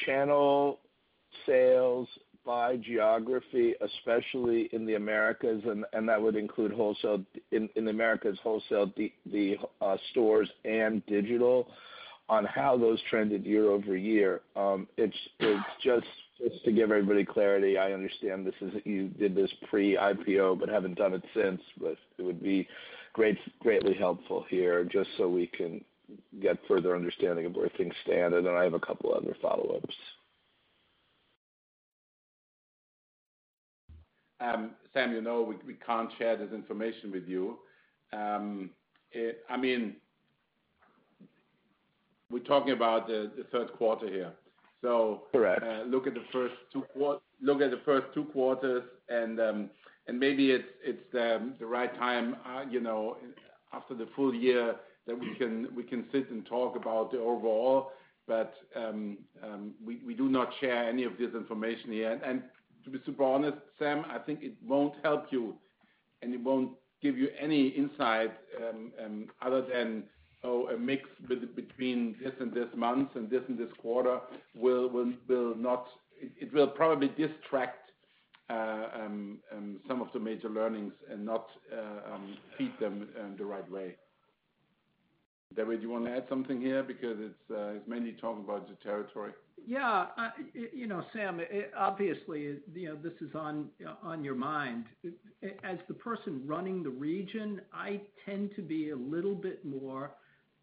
channel sales by geography, especially in the Americas, and that would include wholesale in the Americas wholesale, the stores and digital, on how those trended year-over-year? It's just to give everybody clarity. I understand you did this pre-IPO but haven't done it since. But it would be greatly helpful here, just so we can get further understanding of where things stand, and then I have a couple other follow-ups. Sam, you know, we can't share this information with you. I mean, we're talking about the third quarter here, so. Correct. Look at the first two quarters, and maybe it's the right time, you know, after the full year, that we can sit and talk about the overall, but we do not share any of this information here, and to be super honest, Sam, I think it won't help you, and it won't give you any insight, other than, oh, a mix between this and this month, and this and this quarter, will not. It will probably distract some of the major learnings and not feed them the right way. David, do you want to add something here? Because it's mainly talking about the territory. Yeah. You know, Sam, obviously, you know, this is on your mind. As the person running the region, I tend to be a little bit more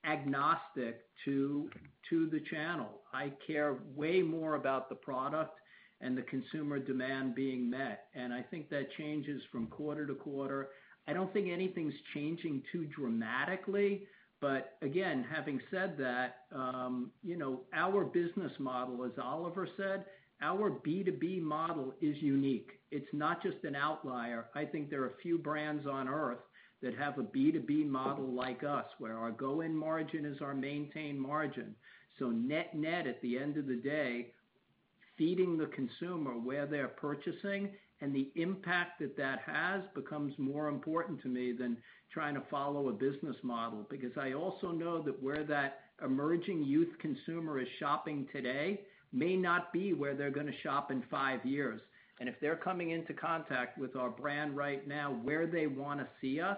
agnostic to the channel. I care way more about the product and the consumer demand being met, and I think that changes from quarter to quarter. I don't think anything's changing too dramatically. But again, having said that, you know, our business model, as Oliver said, our B2B model is unique. It's not just an outlier. I think there are a few brands on Earth that have a B2B model like us, where our gross margin is our maintained margin. So net-net, at the end of the day, feeding the consumer where they're purchasing and the impact that that has, becomes more important to me than trying to follow a business model. Because I also know that where that emerging youth consumer is shopping today, may not be where they're gonna shop in five years. And if they're coming into contact with our brand right now, where they wanna see us,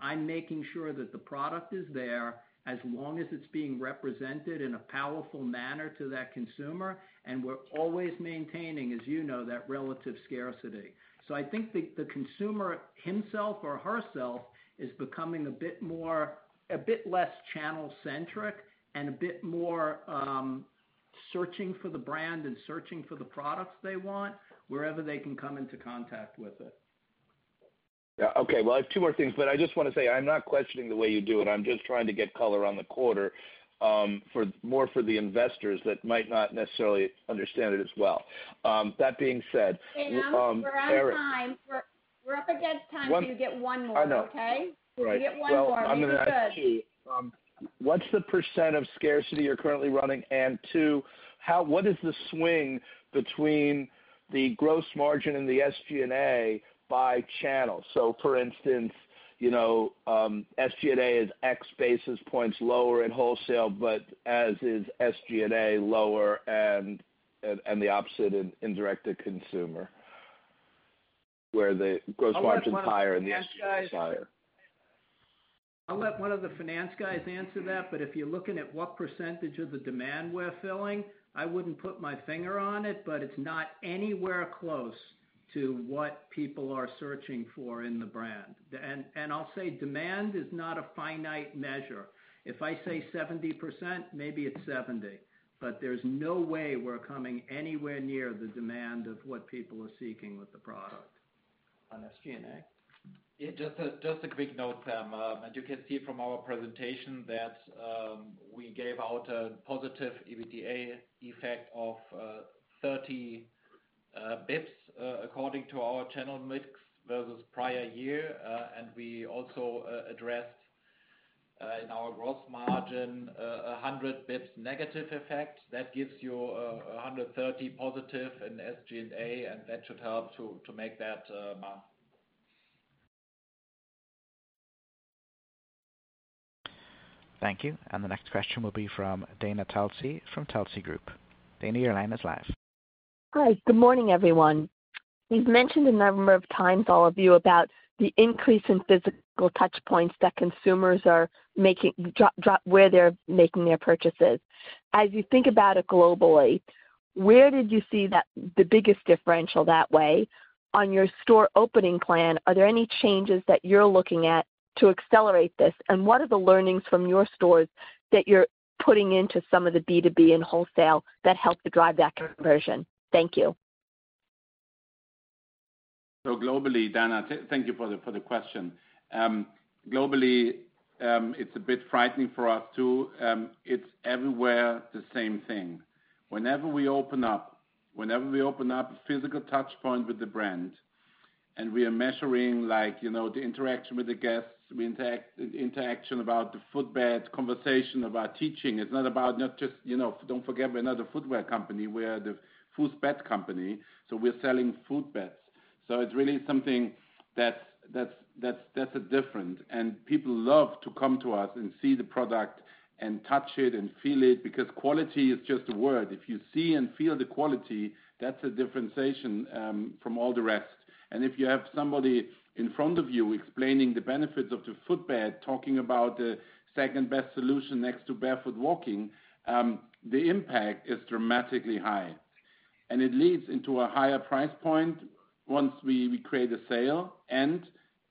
I'm making sure that the product is there, as long as it's being represented in a powerful manner to that consumer, and we're always maintaining, as you know, that relative scarcity. So I think the consumer himself or herself is becoming a bit more, a bit less channel-centric and a bit more, searching for the brand and searching for the products they want, wherever they can come into contact with it. Yeah. Okay, well, I have two more things, but I just wanna say, I'm not questioning the way you do it. I'm just trying to get color on the quarter, more for the investors that might not necessarily understand it as well. That being said, Erik. We're out of time. We're up against time. One. You get one more. I know. Okay? Right. You get one more. I'm gonna ask two. You're good. What's the percent of scarcity you're currently running? And two, what is the swing between the gross margin and the SG&A by channel? So for instance, you know, SG&A is X basis points lower in wholesale, but SG&A is lower and the opposite in direct-to-consumer, where the gross margin is higher and the SG&A is higher. I'll let one of the finance guys answer that, but if you're looking at what percentage of the demand we're filling, I wouldn't put my finger on it, but it's not anywhere close to what people are searching for in the brand. And I'll say demand is not a finite measure. If I say 70%, maybe it's 70, but there's no way we're coming anywhere near the demand of what people are seeking with the product. On SG&A? Yeah, just a quick note, Sam. As you can see from our presentation, that we gave out a positive EBITDA effect of 30 bps according to our channel mix versus prior year. And we also addressed in our gross margin 100 bps negative effect. That gives you 130 bps positive in SG&A, and that should help to make that, Sam. Thank you. And the next question will be from Dana Telsey, from Telsey Group. Dana, your line is live. Hi, good morning, everyone. You've mentioned a number of times, all of you, about the increase in physical touch points that consumers are making where they're making their purchases. As you think about it globally, where did you see that the biggest differential that way? On your store opening plan, are there any changes that you're looking at to accelerate this? And what are the learnings from your stores that you're putting into some of the B2B and wholesale that help to drive that conversion? Thank you. So globally, Dana, thank you for the question. Globally, it's a bit frightening for us, too. It's everywhere the same thing. Whenever we open up a physical touchpoint with the brand, and we are measuring, like, you know, the interaction with the guests, the interaction about the footbed, conversation about teaching, it's not about, not just, you know, don't forget we're not a footwear company, we are the footbed company, so we're selling footbeds. So it's really something that's a different, and people love to come to us and see the product and touch it and feel it, because quality is just a word. If you see and feel the quality, that's a differentiation from all the rest. If you have somebody in front of you explaining the benefits of the footbed, talking about the second-best solution next to barefoot walking, the impact is dramatically high. It leads into a higher price point once we create a sale, and,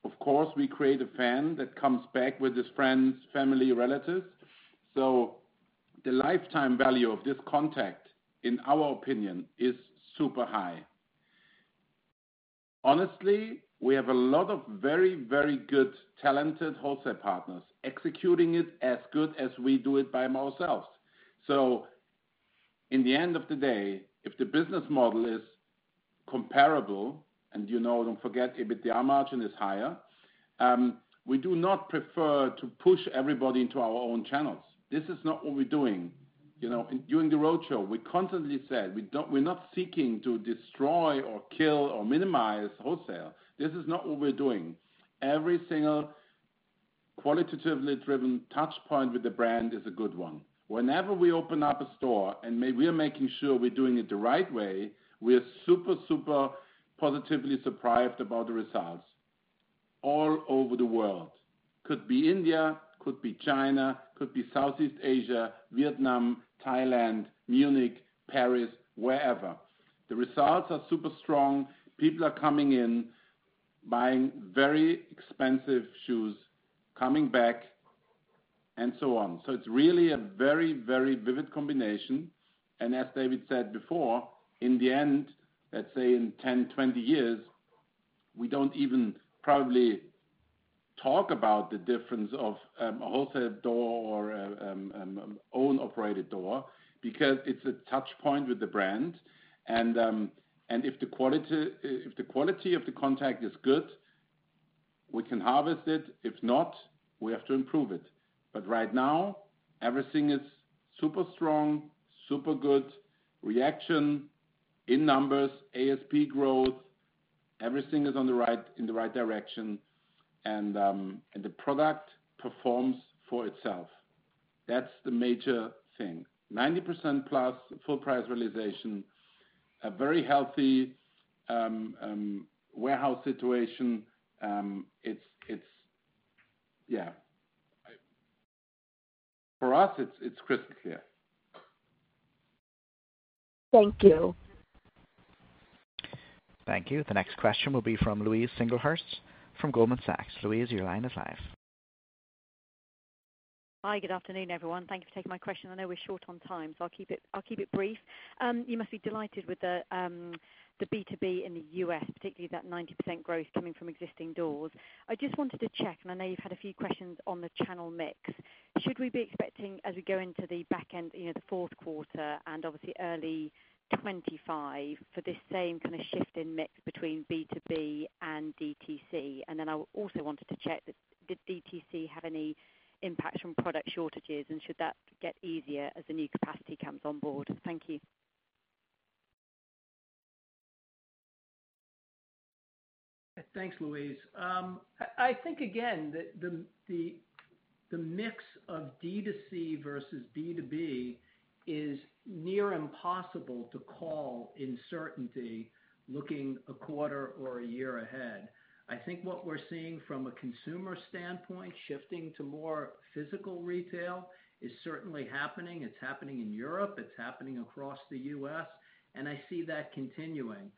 of course, we create a fan that comes back with his friends, family, relatives. The lifetime value of this contact, in our opinion, is super high. Honestly, we have a lot of very, very good, talented wholesale partners executing it as good as we do it by ourselves. In the end of the day, if the business model is comparable, and, you know, don't forget, EBITDA margin is higher, we do not prefer to push everybody into our own channels. This is not what we're doing. You know, during the roadshow, we constantly said, "We're not seeking to destroy or kill or minimize wholesale." This is not what we're doing. Every single qualitatively driven touchpoint with the brand is a good one. Whenever we open up a store, and maybe we are making sure we're doing it the right way, we are super, super positively surprised about the results all over the world. Could be India, could be China, could be Southeast Asia, Vietnam, Thailand, Munich, Paris, wherever. The results are super strong. People are coming in buying very expensive shoes, coming back, and so on. So it's really a very, very vivid combination, and as David said before, in the end, let's say in 10, 20 years, we don't even probably talk about the difference of a wholesale door or own operated door, because it's a touchpoint with the brand. And if the quality of the contact is good, we can harvest it. If not, we have to improve it. But right now, everything is super strong, super good. Reaction in numbers, ASP growth, everything is on the right, in the right direction, and the product performs for itself. That's the major thing. 90%+ full price realization, a very healthy warehouse situation. For us, it's crystal clear. Thank you. Thank you. The next question will be from Louise Singlehurst from Goldman Sachs. Louise, your line is live. Hi, good afternoon, everyone. Thank you for taking my question. I know we're short on time, so I'll keep it brief. You must be delighted with the B2B in the U.S., particularly that 90% growth coming from existing doors. I just wanted to check, and I know you've had a few questions on the channel mix. Should we be expecting, as we go into the back end, you know, the fourth quarter and obviously early 2025, for this same kind of shift in mix between B2B and D2C? And then I also wanted to check, did D2C have any impact from product shortages, and should that get easier as the new capacity comes on board? Thank you. Thanks, Louise. I think again, the mix of D2C versus B2B is near impossible to call in certainty looking a quarter or a year ahead. I think what we're seeing from a consumer standpoint, shifting to more physical retail, is certainly happening. It's happening in Europe, it's happening across the U.S., and I see that continuing.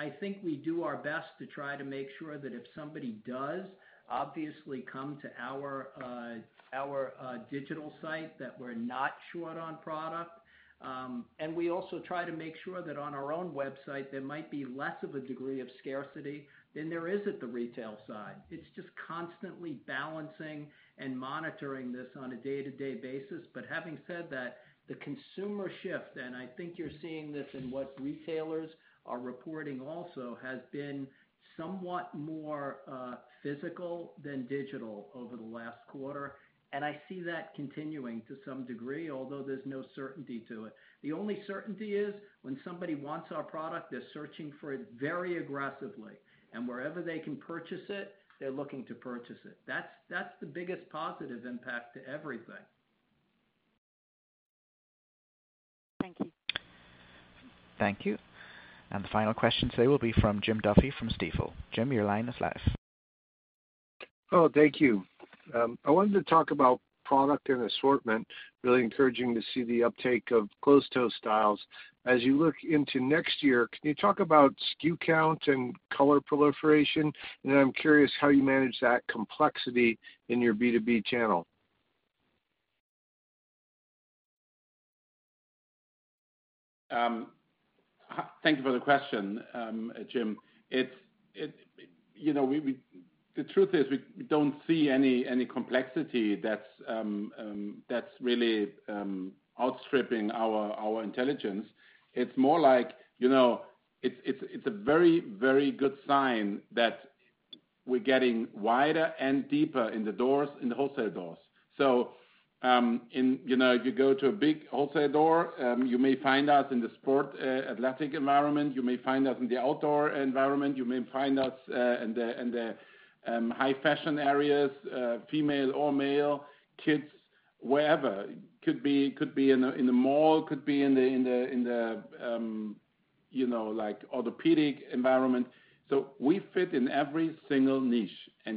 I think we do our best to try to make sure that if somebody does obviously come to our digital site, that we're not short on product. And we also try to make sure that on our own website, there might be less of a degree of scarcity than there is at the retail side. It's just constantly balancing and monitoring this on a day-to-day basis. But having said that, the consumer shift, and I think you're seeing this in what retailers are reporting also, has been somewhat more physical than digital over the last quarter. And I see that continuing to some degree, although there's no certainty to it. The only certainty is when somebody wants our product, they're searching for it very aggressively, and wherever they can purchase it, they're looking to purchase it. That's the biggest positive impact to everything. Thank you. Thank you. And the final question today will be from Jim Duffy from Stifel. Jim, your line is live. Oh, thank you. I wanted to talk about product and assortment. Really encouraging to see the uptake of closed-toe styles. As you look into next year, can you talk about SKU count and color proliferation? And then I'm curious how you manage that complexity in your B2B channel. Thank you for the question, Jim. It's, you know, the truth is we don't see any complexity that's really outstripping our intelligence. It's more like, you know, it's a very good sign that we're getting wider and deeper in the doors, in the wholesale doors. So, in, you know, if you go to a big wholesale door, you may find us in the sport athletic environment, you may find us in the outdoor environment, you may find us in the high fashion areas, female or male, kids, wherever. Could be in the, you know, like, orthopedic environment. So we fit in every single niche.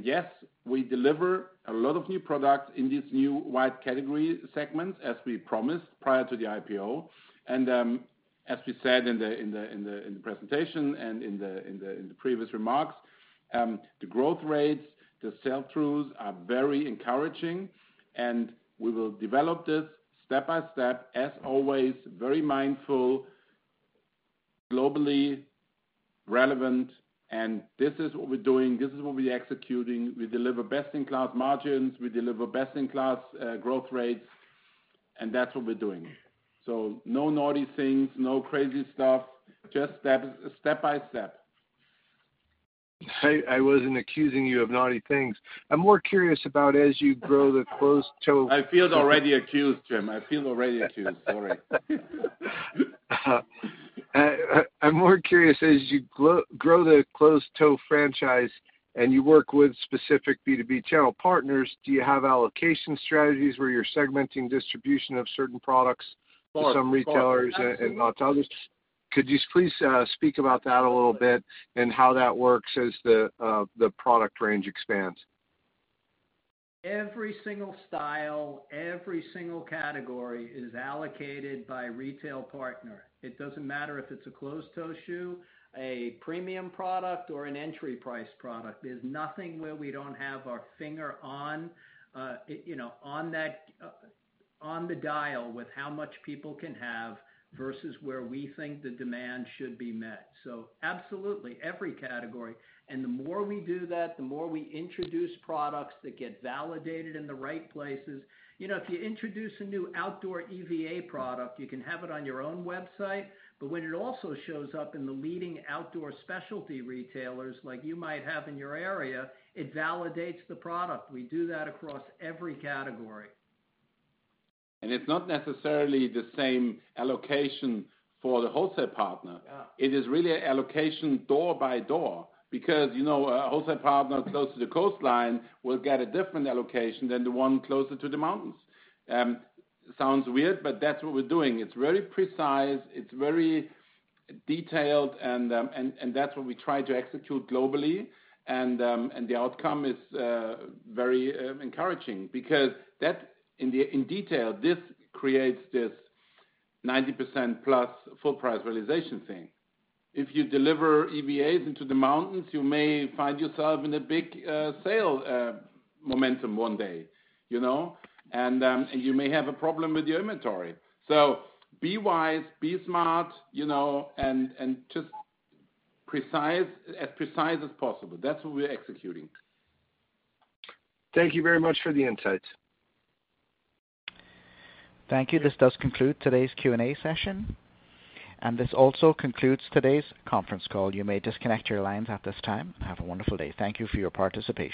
Yes, we deliver a lot of new products in these new wide category segments, as we promised prior to the IPO. As we said in the presentation and in the previous remarks, the growth rates, the sell-throughs, are very encouraging, and we will develop this step by step, as always, very mindful, globally relevant, and this is what we're doing. This is what we're executing. We deliver best-in-class margins. We deliver best-in-class growth rates, and that's what we're doing. So no naughty things, no crazy stuff, just step by step. I wasn't accusing you of naughty things. I'm more curious about as you grow the closed-toe. I feel already accused, Jim. I feel already accused. Sorry. I'm more curious, as you grow the closed-toe franchise and you work with specific B2B channel partners, do you have allocation strategies where you're segmenting distribution of certain products. Of course. To some retailers and not to others? Could you just please speak about that a little bit and how that works as the product range expands? Every single style, every single category is allocated by retail partner. It doesn't matter if it's a closed-toe shoe, a premium product or an entry price product, there's nothing where we don't have our finger on, you know, on that, on the dial with how much people can have versus where we think the demand should be met. So absolutely, every category, and the more we do that, the more we introduce products that get validated in the right places. You know, if you introduce a new outdoor EVA product, you can have it on your own website, but when it also shows up in the leading outdoor specialty retailers, like you might have in your area, it validates the product. We do that across every category. It's not necessarily the same allocation for the wholesale partner. Yeah. It is really allocation door by door. Because, you know, a wholesale partner close to the coastline will get a different allocation than the one closer to the mountains. Sounds weird, but that's what we're doing. It's very precise, it's very detailed, and that's what we try to execute globally, and the outcome is very encouraging because that, in detail, this creates this 90%+ full price realization thing. If you deliver EVAs into the mountains, you may find yourself in a big sale momentum one day, you know? You may have a problem with your inventory, so be wise, be smart, you know, and just precise, as precise as possible. That's what we're executing. Thank you very much for the insights. Thank you. This does conclude today's Q&A session, and this also concludes today's conference call. You may disconnect your lines at this time. Have a wonderful day. Thank you for your participation.